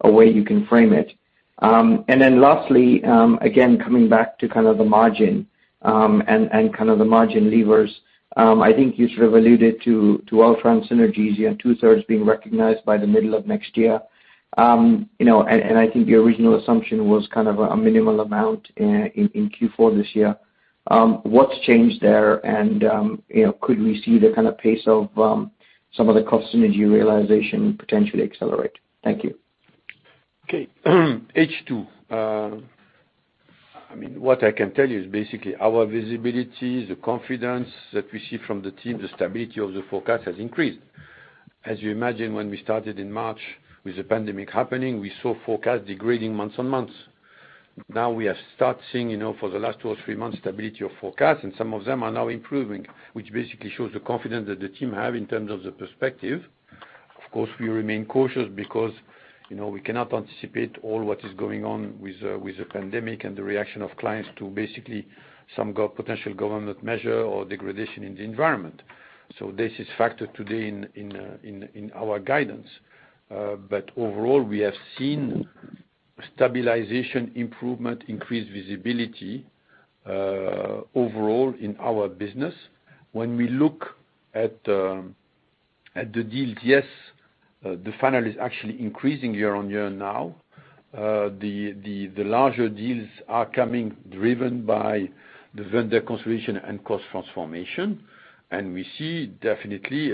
a way you can frame it? Lastly, again, coming back to kind of the margin and kind of the margin levers, I think you sort of alluded to Altran synergies and two-thirds being recognized by the middle of next year. I think the original assumption was kind of a minimal amount in Q4 this year. What's changed there, and could we see the kind of pace of some of the cost synergy realization potentially accelerate? Thank you. Okay. H2. I mean, what I can tell you is basically our visibility, the confidence that we see from the team, the stability of the forecast has increased. As you imagine, when we started in March with the pandemic happening, we saw forecasts degrading months on months. Now we have started seeing for the last two or three months stability of forecasts, and some of them are now improving, which basically shows the confidence that the team have in terms of the perspective. Of course, we remain cautious because we cannot anticipate all what is going on with the pandemic and the reaction of clients to basically some potential government measure or degradation in the environment. This is factored today in our guidance. Overall, we have seen stabilization, improvement, increased visibility overall in our business. When we look at the deals, yes, the final is actually increasing year on year now. The larger deals are coming driven by the vendor consolidation and cost transformation. We see definitely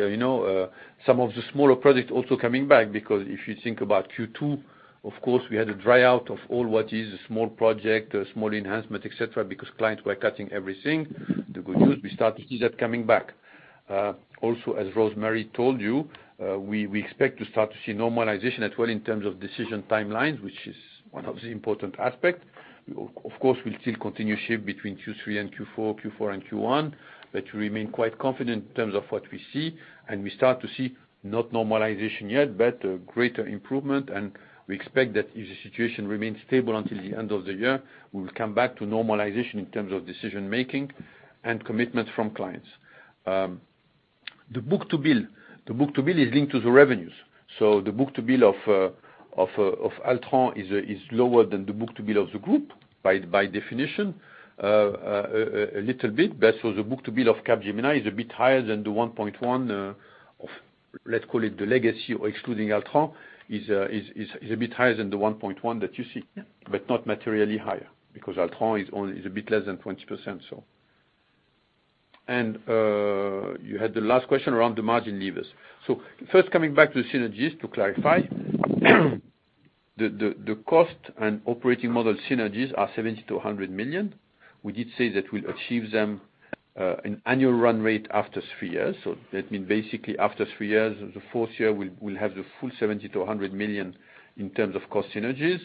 some of the smaller projects also coming back because if you think about Q2, of course, we had a dryout of all what is small projects, small enhancements, etc., because clients were cutting everything. The good news, we start to see that coming back. Also, as Rosemary told you, we expect to start to see normalization as well in terms of decision timelines, which is one of the important aspects. Of course, we'll still continue shift between Q3 and Q4, Q4 and Q1, but we remain quite confident in terms of what we see. We start to see not normalization yet, but greater improvement. We expect that if the situation remains stable until the end of the year, we will come back to normalization in terms of decision-making and commitments from clients. The book-to-bill is linked to the revenues. The book-to-bill of Altran is lower than the book-to-bill of the group by definition a little bit. The book-to-bill of Capgemini is a bit higher than the 1.1 of, let's call it the legacy, excluding Altran, is a bit higher than the 1.1 that you see, but not materially higher because Altran is a bit less than 20%, so. You had the last question around the margin levers. First, coming back to the synergies to clarify, the cost and operating model synergies are 70 million-100 million. We did say that we'll achieve them in annual run rate after three years. That means basically after three years, the fourth year, we'll have the full 70-100 million in terms of cost synergies.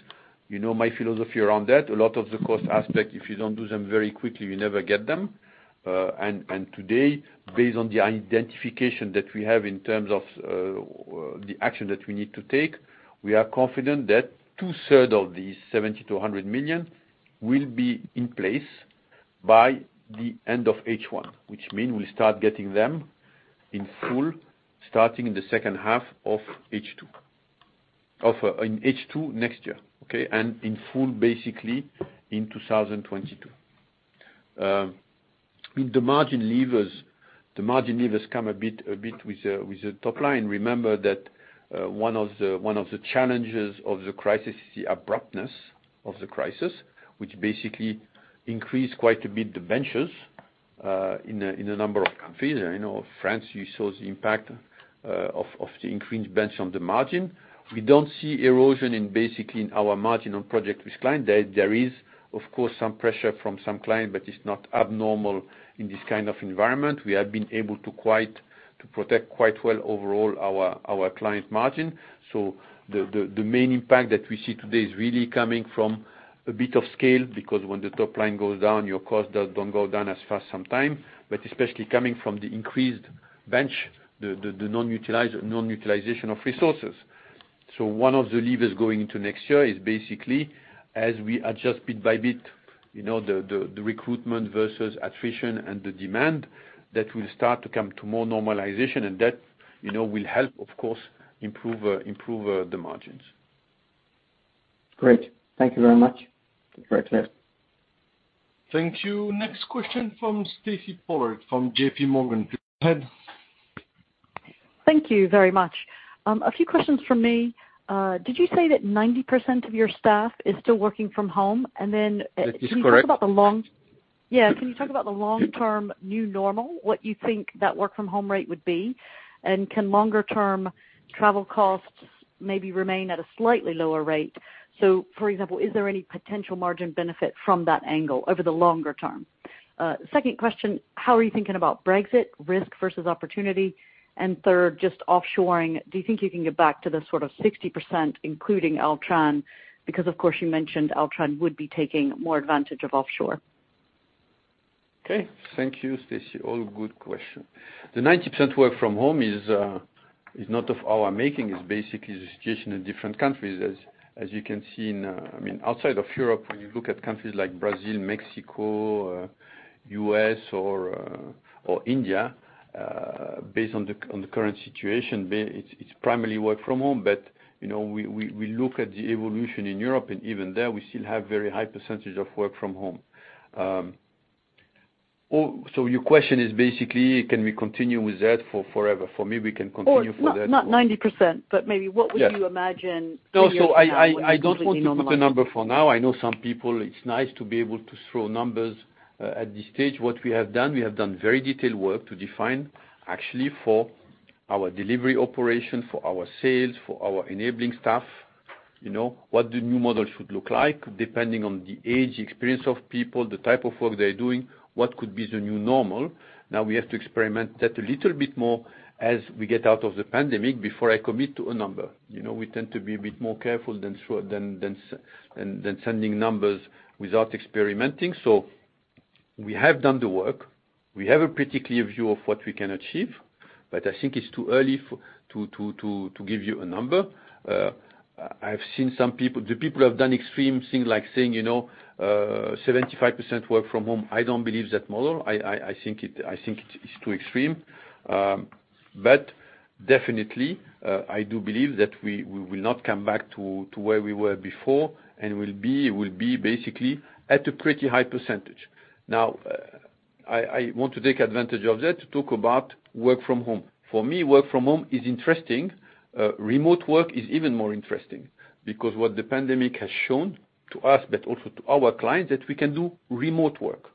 My philosophy around that, a lot of the cost aspect, if you don't do them very quickly, you never get them. Today, based on the identification that we have in terms of the action that we need to take, we are confident that two-thirds of these 70-100 million will be in place by the end of H1, which means we'll start getting them in full starting in the second half of H2 next year, okay, and in full basically in 2022. The margin levers come a bit with the top line. Remember that one of the challenges of the crisis is the abruptness of the crisis, which basically increased quite a bit the benches in a number of countries. In France, you saw the impact of the increased bench on the margin. We do not see erosion in basically our margin on project with clients. There is, of course, some pressure from some clients, but it is not abnormal in this kind of environment. We have been able to protect quite well overall our client margin. The main impact that we see today is really coming from a bit of scale because when the top line goes down, your cost does not go down as fast sometimes, but especially coming from the increased bench, the non-utilization of resources. One of the levers going into next year is basically as we adjust bit by bit the recruitment versus attrition and the demand that will start to come to more normalization, and that will help, of course, improve the margins. Great. Thank you very much, Director. Thank you. Next question from Stacey Pollard from JPMorgan. Go ahead. Thank you very much. A few questions from me. Did you say that 90% of your staff is still working from home? Can you talk about the long-term new normal, what you think that work-from-home rate would be? Can longer-term travel costs maybe remain at a slightly lower rate? For example, is there any potential margin benefit from that angle over the longer term? Second question, how are you thinking about Brexit risk versus opportunity? Third, just offshoring, do you think you can get back to the sort of 60% including Altran? Because of course, you mentioned Altran would be taking more advantage of offshore. Okay. Thank you, Stacey. All good questions. The 90% work from home is not of our making. It is basically the situation in different countries, as you can see in, I mean, outside of Europe, when you look at countries like Brazil, Mexico, U.S., or India, based on the current situation, it is primarily work from home. You look at the evolution in Europe, and even there, we still have very high percentage of work from home. Your question is basically, can we continue with that forever? For me, we can continue for that. Not 90%, but maybe what would you imagine? No, I do not want to put a number for now. I know some people, it's nice to be able to throw numbers at this stage. What we have done, we have done very detailed work to define actually for our delivery operation, for our sales, for our enabling staff, what the new model should look like depending on the age, the experience of people, the type of work they're doing, what could be the new normal. Now we have to experiment that a little bit more as we get out of the pandemic before I commit to a number. We tend to be a bit more careful than sending numbers without experimenting. We have done the work. We have a pretty clear view of what we can achieve, but I think it's too early to give you a number. I've seen some people, the people have done extreme things like saying 75% work from home. I don't believe that model. I think it's too extreme. I do believe that we will not come back to where we were before, and we'll be basically at a pretty high percentage. Now, I want to take advantage of that to talk about work from home. For me, work from home is interesting. Remote work is even more interesting because what the pandemic has shown to us, but also to our clients, is that we can do remote work.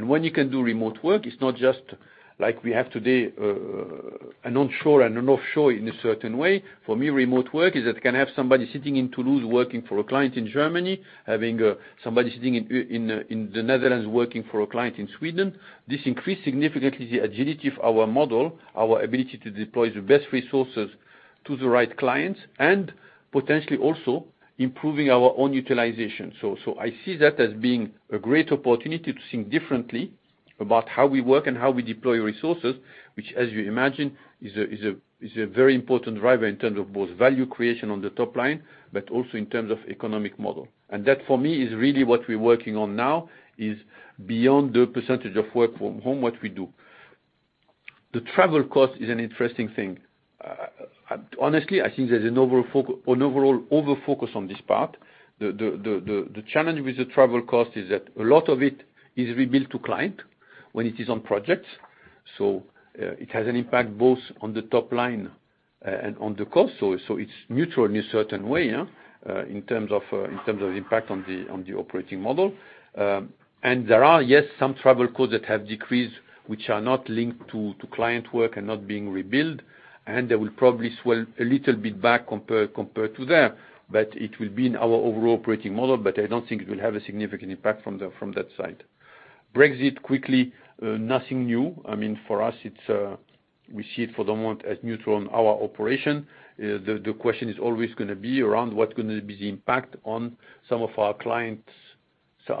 When you can do remote work, it's not just like we have today an onshore and an offshore in a certain way. For me, remote work is that it can have somebody sitting in Toulouse working for a client in Germany, having somebody sitting in the Netherlands working for a client in Sweden. This increased significantly the agility of our model, our ability to deploy the best resources to the right clients, and potentially also improving our own utilization. I see that as being a great opportunity to think differently about how we work and how we deploy resources, which, as you imagine, is a very important driver in terms of both value creation on the top line, but also in terms of economic model. That for me is really what we're working on now is beyond the percentage of work from home, what we do. The travel cost is an interesting thing. Honestly, I think there's an overall overfocus on this part. The challenge with the travel cost is that a lot of it is rebuilt to client when it is on projects. It has an impact both on the top line and on the cost. It is neutral in a certain way in terms of impact on the operating model. There are, yes, some travel costs that have decreased, which are not linked to client work and not being rebuilt. They will probably swell a little bit back compared to there, but it will be in our overall operating model. I do not think it will have a significant impact from that side. Brexit quickly, nothing new. I mean, for us, we see it for the moment as neutral in our operation. The question is always going to be around what is going to be the impact on some of our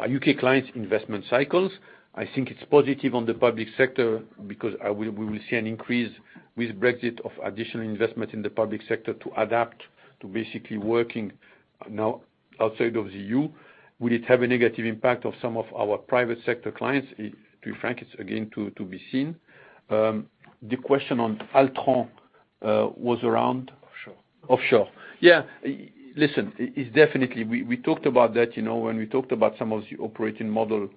U.K. clients' investment cycles. I think it is positive on the public sector because we will see an increase with Brexit of additional investment in the public sector to adapt to basically working now outside of the EU. Will it have a negative impact on some of our private sector clients? To be frank, it's again to be seen. The question on Altran was around offshore. Offshore. Yeah. Listen, it's definitely, we talked about that when we talked about some of the operating model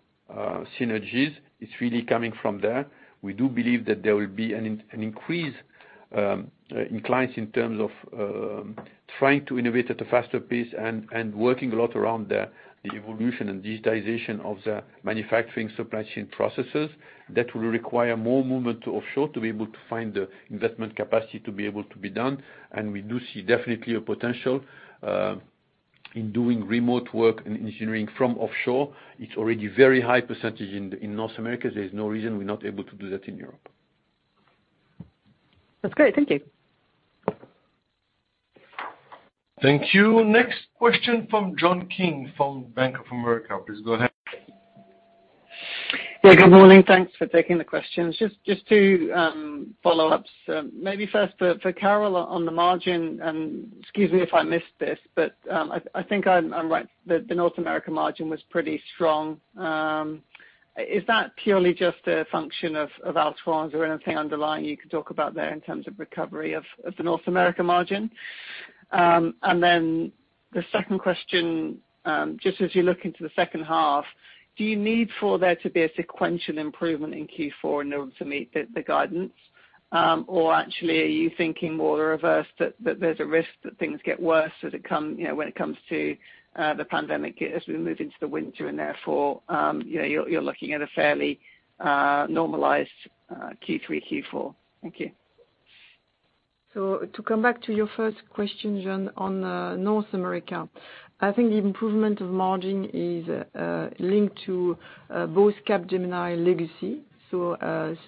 synergies. It's really coming from there. We do believe that there will be an increase in clients in terms of trying to innovate at a faster pace and working a lot around the evolution and digitization of the manufacturing supply chain processes. That will require more movement to offshore to be able to find the investment capacity to be able to be done. We do see definitely a potential in doing remote work and engineering from offshore. It's already a very high percentage in North America. There's no reason we're not able to do that in Europe. That's great. Thank you. Thank you. Next question from John King from Bank of America. Please go ahead. Yeah. Good morning. Thanks for taking the questions. Just two follow-ups. Maybe first for Carole on the margin, and excuse me if I missed this, but I think I'm right. The North America margin was pretty strong. Is that purely just a function of Altran or anything underlying you could talk about there in terms of recovery of the North America margin? The second question, just as you look into the second half, do you need for there to be a sequential improvement in Q4 in order to meet the guidance? Or actually, are you thinking more reverse that there's a risk that things get worse when it comes to the pandemic as we move into the winter, and therefore, you're looking at a fairly normalized Q3, Q4? Thank you. To come back to your first question, John, on North America, I think the improvement of margin is linked to both Capgemini legacy.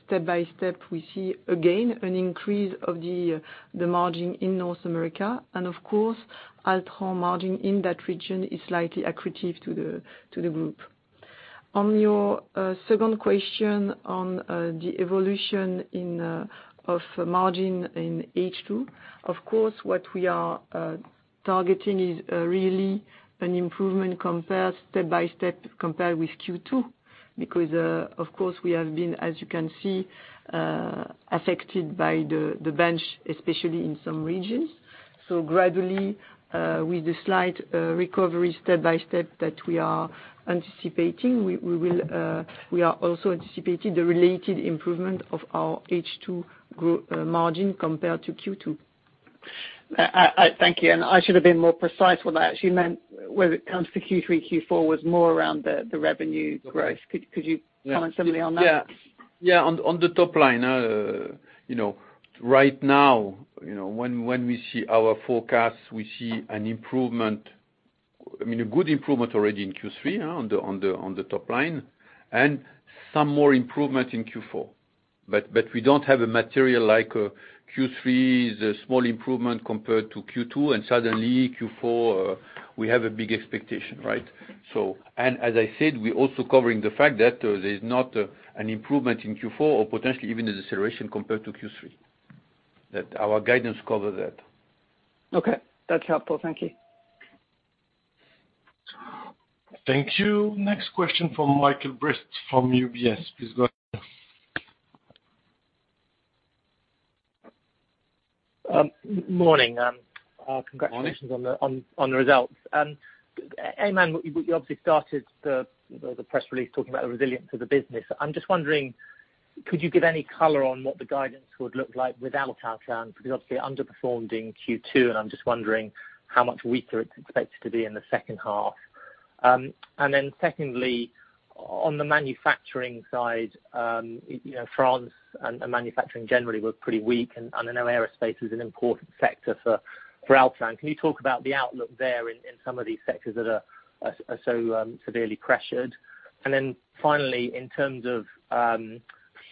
Step by step, we see again an increase of the margin in North America. Of course, Altran margin in that region is slightly accretive to the group. On your second question on the evolution of margin in H2, of course, what we are targeting is really an improvement step by step compared with Q2 because, of course, we have been, as you can see, affected by the bench, especially in some regions. Gradually, with the slight recovery step by step that we are anticipating, we are also anticipating the related improvement of our H2 margin compared to Q2. Thank you. I should have been more precise. What I actually meant when it comes to Q3, Q4 was more around the revenue growth. Could you comment something on that? Yeah. On the top line, right now, when we see our forecasts, we see an improvement, I mean, a good improvement already in Q3 on the top line and some more improvement in Q4. We do not have a material, like Q3 is a small improvement compared to Q2, and suddenly Q4, we have a big expectation, right? As I said, we are also covering the fact that there is not an improvement in Q4 or potentially even a deceleration compared to Q3. Our guidance covers that. Okay. That is helpful. Thank you. Thank you. Next question from Michael Brist from UBS. Please go ahead. Morning. Congratulations on the results. And Aiman, you obviously started the press release talking about the resilience of the business. I am just wondering, could you give any color on what the guidance would look like without Altran? Because obviously, it underperformed in Q2, and I'm just wondering how much weaker it's expected to be in the second half. Secondly, on the manufacturing side, France and manufacturing generally were pretty weak, and I know aerospace is an important sector for Altran. Can you talk about the outlook there in some of these sectors that are so severely pressured? Finally, in terms of furlough,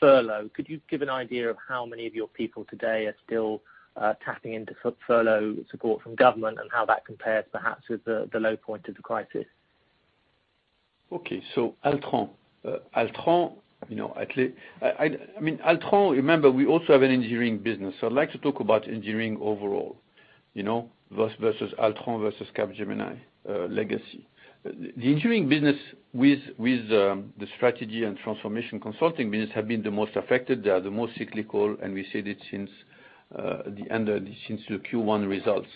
could you give an idea of how many of your people today are still tapping into furlough support from government and how that compares perhaps with the low point of the crisis? Okay. Altran, I mean, Altran, remember, we also have an engineering business. I'd like to talk about engineering overall versus Altran versus Capgemini legacy. The engineering business with the strategy and transformation consulting business have been the most affected. They are the most cyclical, and we said it since the end of since the Q1 results.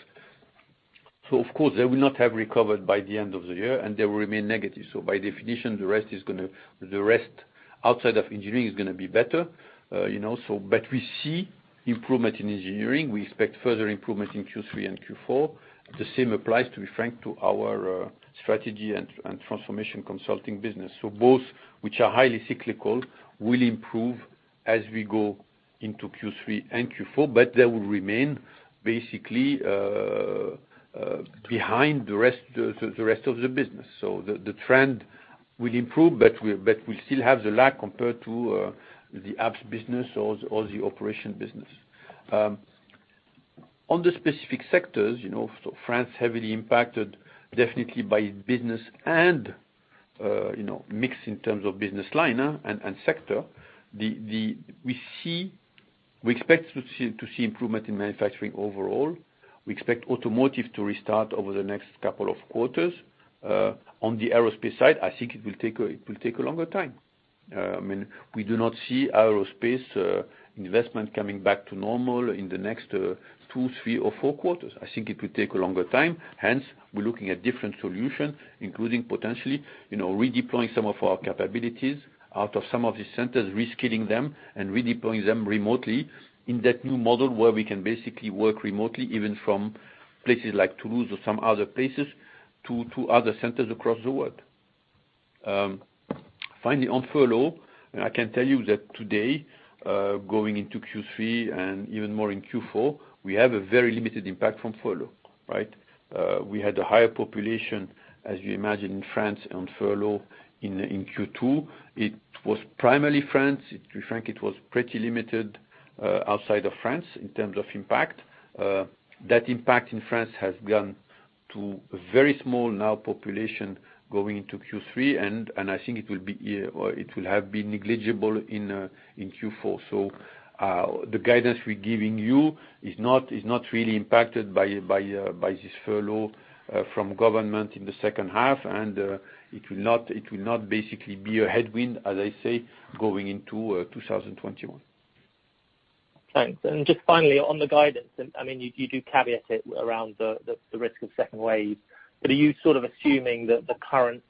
Of course, they will not have recovered by the end of the year, and they will remain negative. By definition, the rest is going to the rest outside of engineering is going to be better. We see improvement in engineering. We expect further improvement in Q3 and Q4. The same applies, to be frank, to our strategy and transformation consulting business. Both, which are highly cyclical, will improve as we go into Q3 and Q4, but they will remain basically behind the rest of the business. The trend will improve, but we'll still have the lag compared to the apps business or the operation business. On the specific sectors, France heavily impacted definitely by business and mix in terms of business line and sector. We expect to see improvement in manufacturing overall. We expect automotive to restart over the next couple of quarters. On the aerospace side, I think it will take a longer time. I mean, we do not see aerospace investment coming back to normal in the next two, three, or four quarters. I think it will take a longer time. Hence, we're looking at different solutions, including potentially redeploying some of our capabilities out of some of these centers, reskilling them, and redeploying them remotely in that new model where we can basically work remotely even from places like Toulouse or some other places to other centers across the world. Finally, on furlough, I can tell you that today, going into Q3 and even more in Q4, we have a very limited impact from furlough, right? We had a higher population, as you imagine, in France on furlough in Q2. It was primarily France. To be frank, it was pretty limited outside of France in terms of impact. That impact in France has gone to a very small now population going into Q3, and I think it will have been negligible in Q4. The guidance we are giving you is not really impacted by this furlough from government in the second half, and it will not basically be a headwind, as I say, going into 2021. Thanks. Just finally, on the guidance, I mean, you do caveat it around the risk of second wave. Are you sort of assuming that the current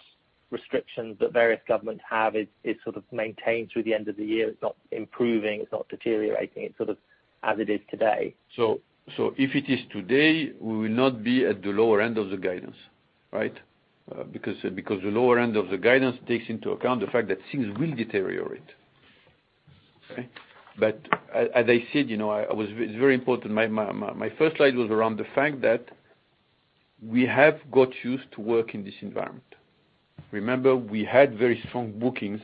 restrictions that various governments have is sort of maintained through the end of the year? It is not improving. It is not deteriorating. It is sort of as it is today. If it is today, we will not be at the lower end of the guidance, right? Because the lower end of the guidance takes into account the fact that things will deteriorate. As I said, it's very important. My first slide was around the fact that we have got used to work in this environment. Remember, we had very strong bookings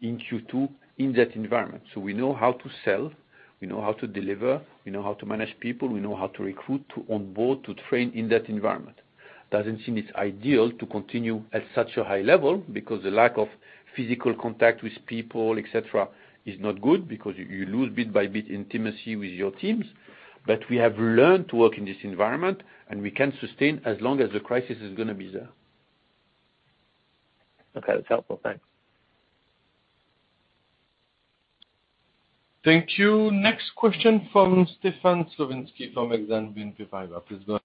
in Q2 in that environment. We know how to sell. We know how to deliver. We know how to manage people. We know how to recruit, to onboard, to train in that environment. It doesn't seem it's ideal to continue at such a high level because the lack of physical contact with people, etc., is not good because you lose bit by bit intimacy with your teams. We have learned to work in this environment, and we can sustain as long as the crisis is going to be there. Okay. That's helpful. Thanks. Thank you. Next question from Stefan Slavinski from Exand Viviva. Please go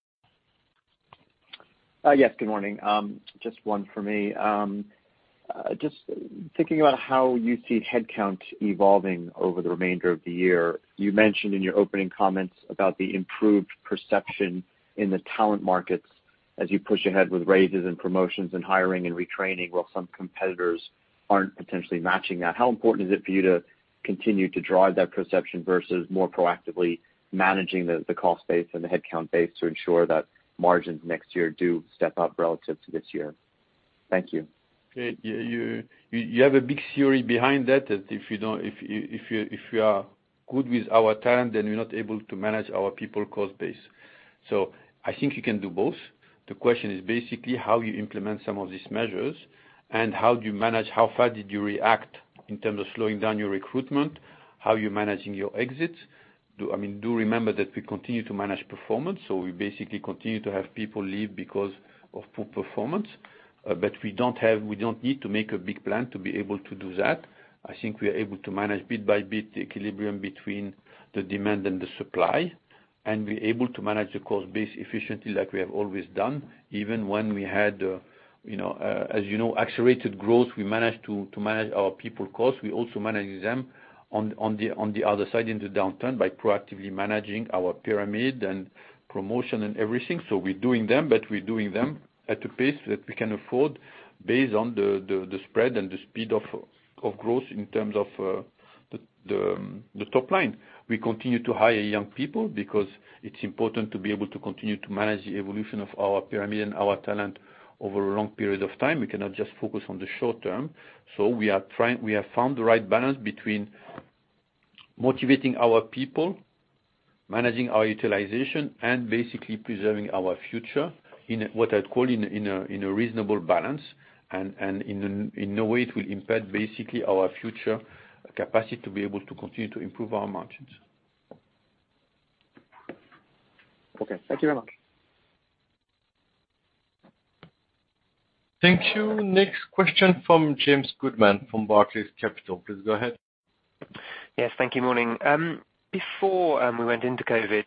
ahead. Yes. Good morning. Just one for me. Just thinking about how you see headcount evolving over the remainder of the year, you mentioned in your opening comments about the improved perception in the talent markets as you push ahead with raises and promotions and hiring and retraining while some competitors are not potentially matching that. How important is it for you to continue to drive that perception versus more proactively managing the cost base and the headcount base to ensure that margins next year do step up relative to this year? Thank you. You have a big theory behind that that if you are good with our talent, then we are not able to manage our people cost base. I think you can do both. The question is basically how you implement some of these measures and how do you manage how fast did you react in terms of slowing down your recruitment, how you're managing your exits. I mean, do remember that we continue to manage performance. So we basically continue to have people leave because of poor performance. But we do not need to make a big plan to be able to do that. I think we are able to manage bit by bit the equilibrium between the demand and the supply. We are able to manage the cost base efficiently like we have always done. Even when we had, as you know, accelerated growth, we managed to manage our people cost. We also managed them on the other side in the downturn by proactively managing our pyramid and promotion and everything. We're doing them, but we're doing them at a pace that we can afford based on the spread and the speed of growth in terms of the top line. We continue to hire young people because it's important to be able to continue to manage the evolution of our pyramid and our talent over a long period of time. We cannot just focus on the short term. We have found the right balance between motivating our people, managing our utilization, and basically preserving our future in what I'd call a reasonable balance. In a way, it will impact basically our future capacity to be able to continue to improve our margins. Okay. Thank you very much. Thank you. Next question from James Goodman from Barclays Capital. Please go ahead. Yes. Thank you. Morning. Before we went into COVID,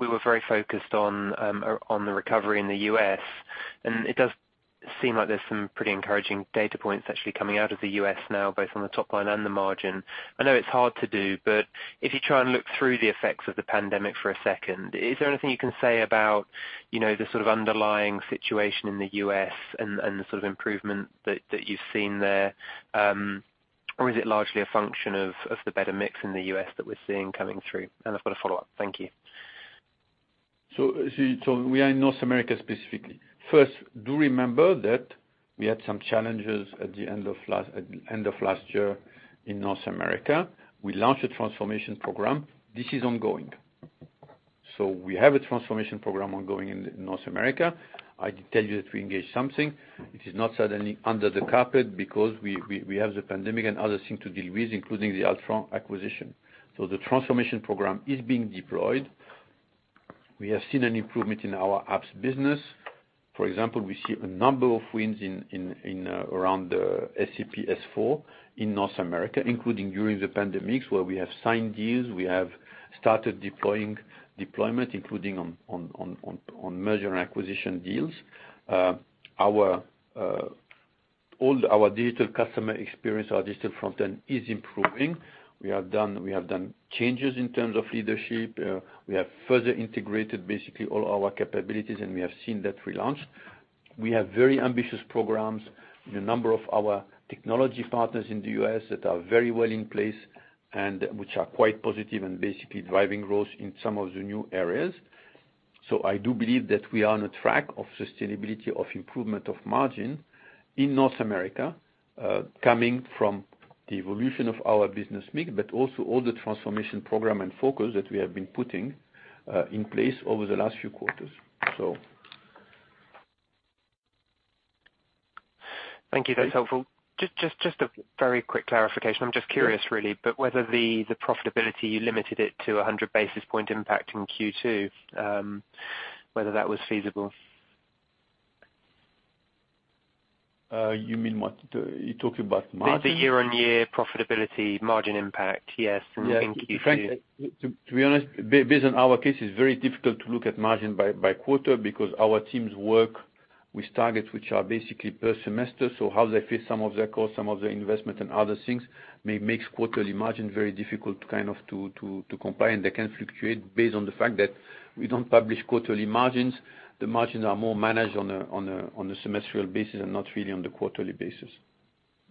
we were very focused on the recovery in the U.S. It does seem like there's some pretty encouraging data points actually coming out of the U.S. now, both on the top line and the margin. I know it's hard to do, but if you try and look through the effects of the pandemic for a second, is there anything you can say about the sort of underlying situation in the U.S. and the sort of improvement that you've seen there? Is it largely a function of the better mix in the U.S. that we're seeing coming through? I've got a follow-up. Thank you. We are in North America specifically. First, do remember that we had some challenges at the end of last year in North America. We launched a transformation program. This is ongoing. We have a transformation program ongoing in North America. I did tell you that we engaged something. It is not suddenly under the carpet because we have the pandemic and other things to deal with, including the Altran acquisition. The transformation program is being deployed. We have seen an improvement in our apps business. For example, we see a number of wins around SAP S/4HANA in North America, including during the pandemic where we have signed deals. We have started deployment, including on merger and acquisition deals. Our digital customer experience, our digital front end is improving. We have done changes in terms of leadership. We have further integrated basically all our capabilities, and we have seen that relaunch. We have very ambitious programs. A number of our technology partners in the U.S. that are very well in place and which are quite positive and basically driving growth in some of the new areas. I do believe that we are on a track of sustainability of improvement of margin in North America coming from the evolution of our business mix, but also all the transformation program and focus that we have been putting in place over the last few quarters. Thank you. That's helpful. Just a very quick clarification. I'm just curious, really, but whether the profitability, you limited it to 100 basis points impact in Q2, whether that was feasible. You mean what? You talking about margin? The year-on-year profitability margin impact, yes, in Q2. To be honest, based on our case, it's very difficult to look at margin by quarter because our teams work with targets which are basically per semester. How they fit some of their costs, some of their investment, and other things makes quarterly margin very difficult kind of to comply. They can fluctuate based on the fact that we do not publish quarterly margins. The margins are more managed on a semestral basis and not really on the quarterly basis.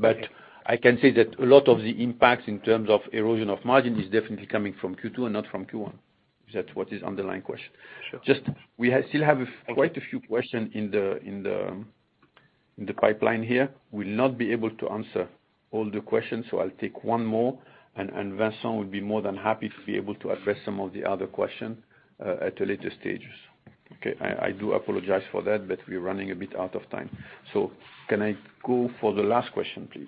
I can say that a lot of the impacts in terms of erosion of margin is definitely coming from Q2 and not from Q1. That is what is underlying question. We still have quite a few questions in the pipeline here. We will not be able to answer all the questions, so I'll take one more. Vincent will be more than happy to be able to address some of the other questions at a later stage. I do apologize for that, but we're running a bit out of time. Can I go for the last question, please?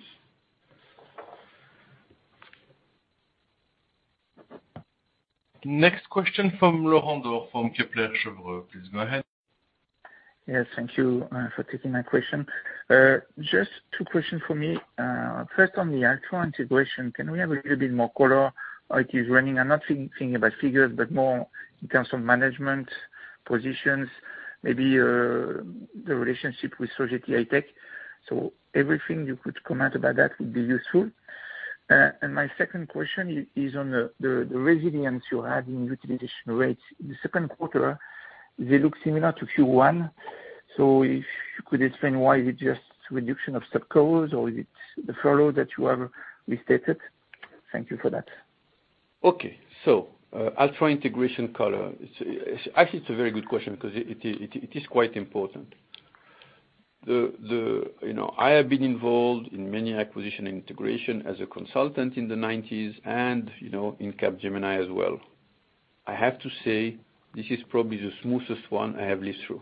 Next question from Laurent Daure from Kepler Chevreux. Please go ahead. Yes. Thank you for taking my question. Just two questions for me. First, on the Altran integration, can we have a little bit more color? It is running. I'm not thinking about figures, but more in terms of management positions, maybe the relationship with Sogeti High Tech. Everything you could comment about that would be useful. My second question is on the resilience you had in utilization rates. In the second quarter, they look similar to Q1. If you could explain why, is it just reduction of subcodes or is it the furlough that you have restated? Thank you for that. Okay. So Altran integration color. Actually, it's a very good question because it is quite important. I have been involved in many acquisition integrations as a consultant in the 1990s and in Capgemini as well. I have to say this is probably the smoothest one I have lived through.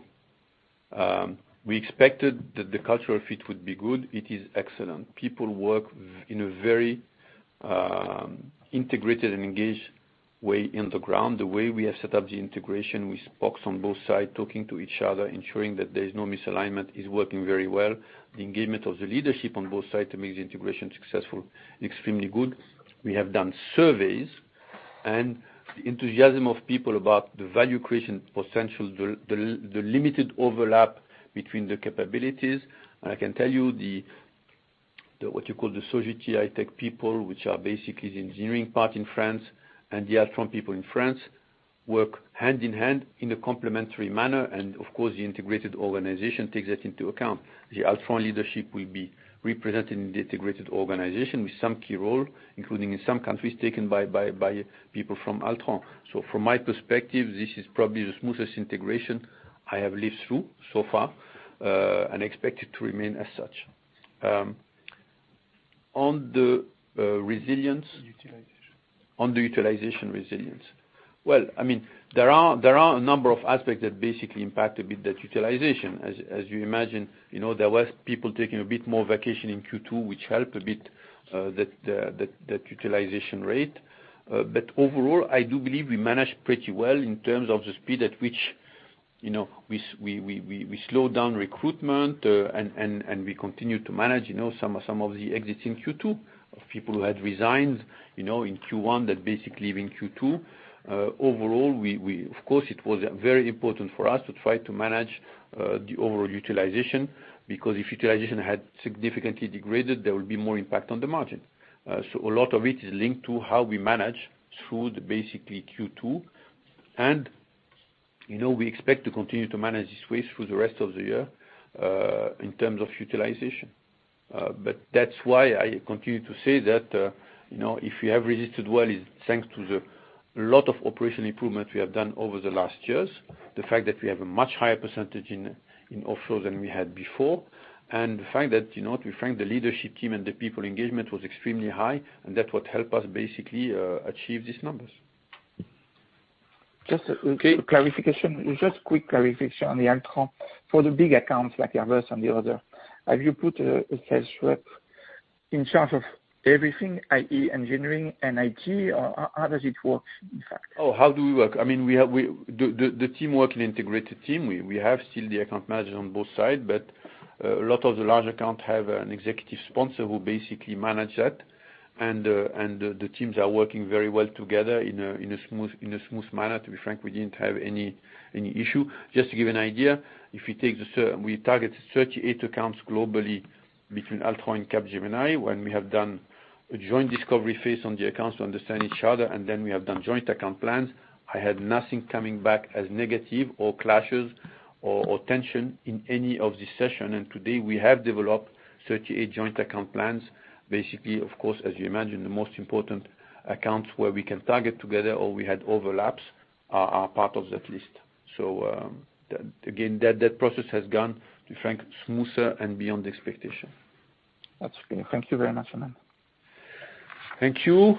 We expected that the cultural fit would be good. It is excellent. People work in a very integrated and engaged way on the ground. The way we have set up the integration with spokes on both sides talking to each other, ensuring that there's no misalignment, is working very well. The engagement of the leadership on both sides to make the integration successful is extremely good. We have done surveys, and the enthusiasm of people about the value creation potential, the limited overlap between the capabilities. I can tell you what you call the Sogeti High Tech people, which are basically the engineering part in France, and the Altran people in France work hand in hand in a complementary manner. Of course, the integrated organization takes that into account. The Altran leadership will be represented in the integrated organization with some key role, including in some countries taken by people from Altran. From my perspective, this is probably the smoothest integration I have lived through so far and expected to remain as such. On the resilience. Utilization. On the utilization resilience. I mean, there are a number of aspects that basically impact a bit that utilization. As you imagine, there were people taking a bit more vacation in Q2, which helped a bit that utilization rate. Overall, I do believe we managed pretty well in terms of the speed at which we slowed down recruitment, and we continue to manage some of the exits in Q2 of people who had resigned in Q1 that basically leave in Q2. Overall, of course, it was very important for us to try to manage the overall utilization because if utilization had significantly degraded, there would be more impact on the margin. A lot of it is linked to how we manage through basically Q2. We expect to continue to manage this way through the rest of the year in terms of utilization. That's why I continue to say that if we have resisted well, it's thanks to a lot of operational improvements we have done over the last years, the fact that we have a much higher percentage in offshore than we had before, and the fact that we thank the leadership team and the people engagement was extremely high, and that's what helped us basically achieve these numbers. Just a quick clarification. Just a quick clarification on the Altran for the big accounts like your first and the other. Have you put a sales rep in charge of everything, i.e., engineering and IT, or how does it work, in fact? Oh, how do we work? I mean, the team work in integrated team. We have still the account managers on both sides, but a lot of the large accounts have an executive sponsor who basically manages that. The teams are working very well together in a smooth manner. To be frank, we did not have any issue. Just to give you an idea, we targeted 38 accounts globally between Altran and Capgemini when we have done a joint discovery phase on the accounts to understand each other, and then we have done joint account plans. I had nothing coming back as negative or clashes or tension in any of these sessions. Today, we have developed 38 joint account plans. Basically, of course, as you imagine, the most important accounts where we can target together or we had overlaps are part of that list. That process has gone, to be frank, smoother and beyond expectation. That's okay. Thank you very much, Aiman. Thank you.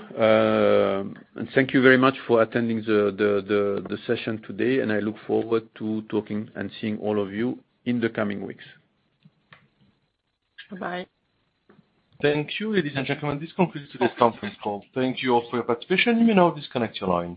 Thank you very much for attending the session today. I look forward to talking and seeing all of you in the coming weeks. Bye-bye. Thank you, ladies and gentlemen. This concludes today's conference call. Thank you all for your participation. You may now disconnect your line.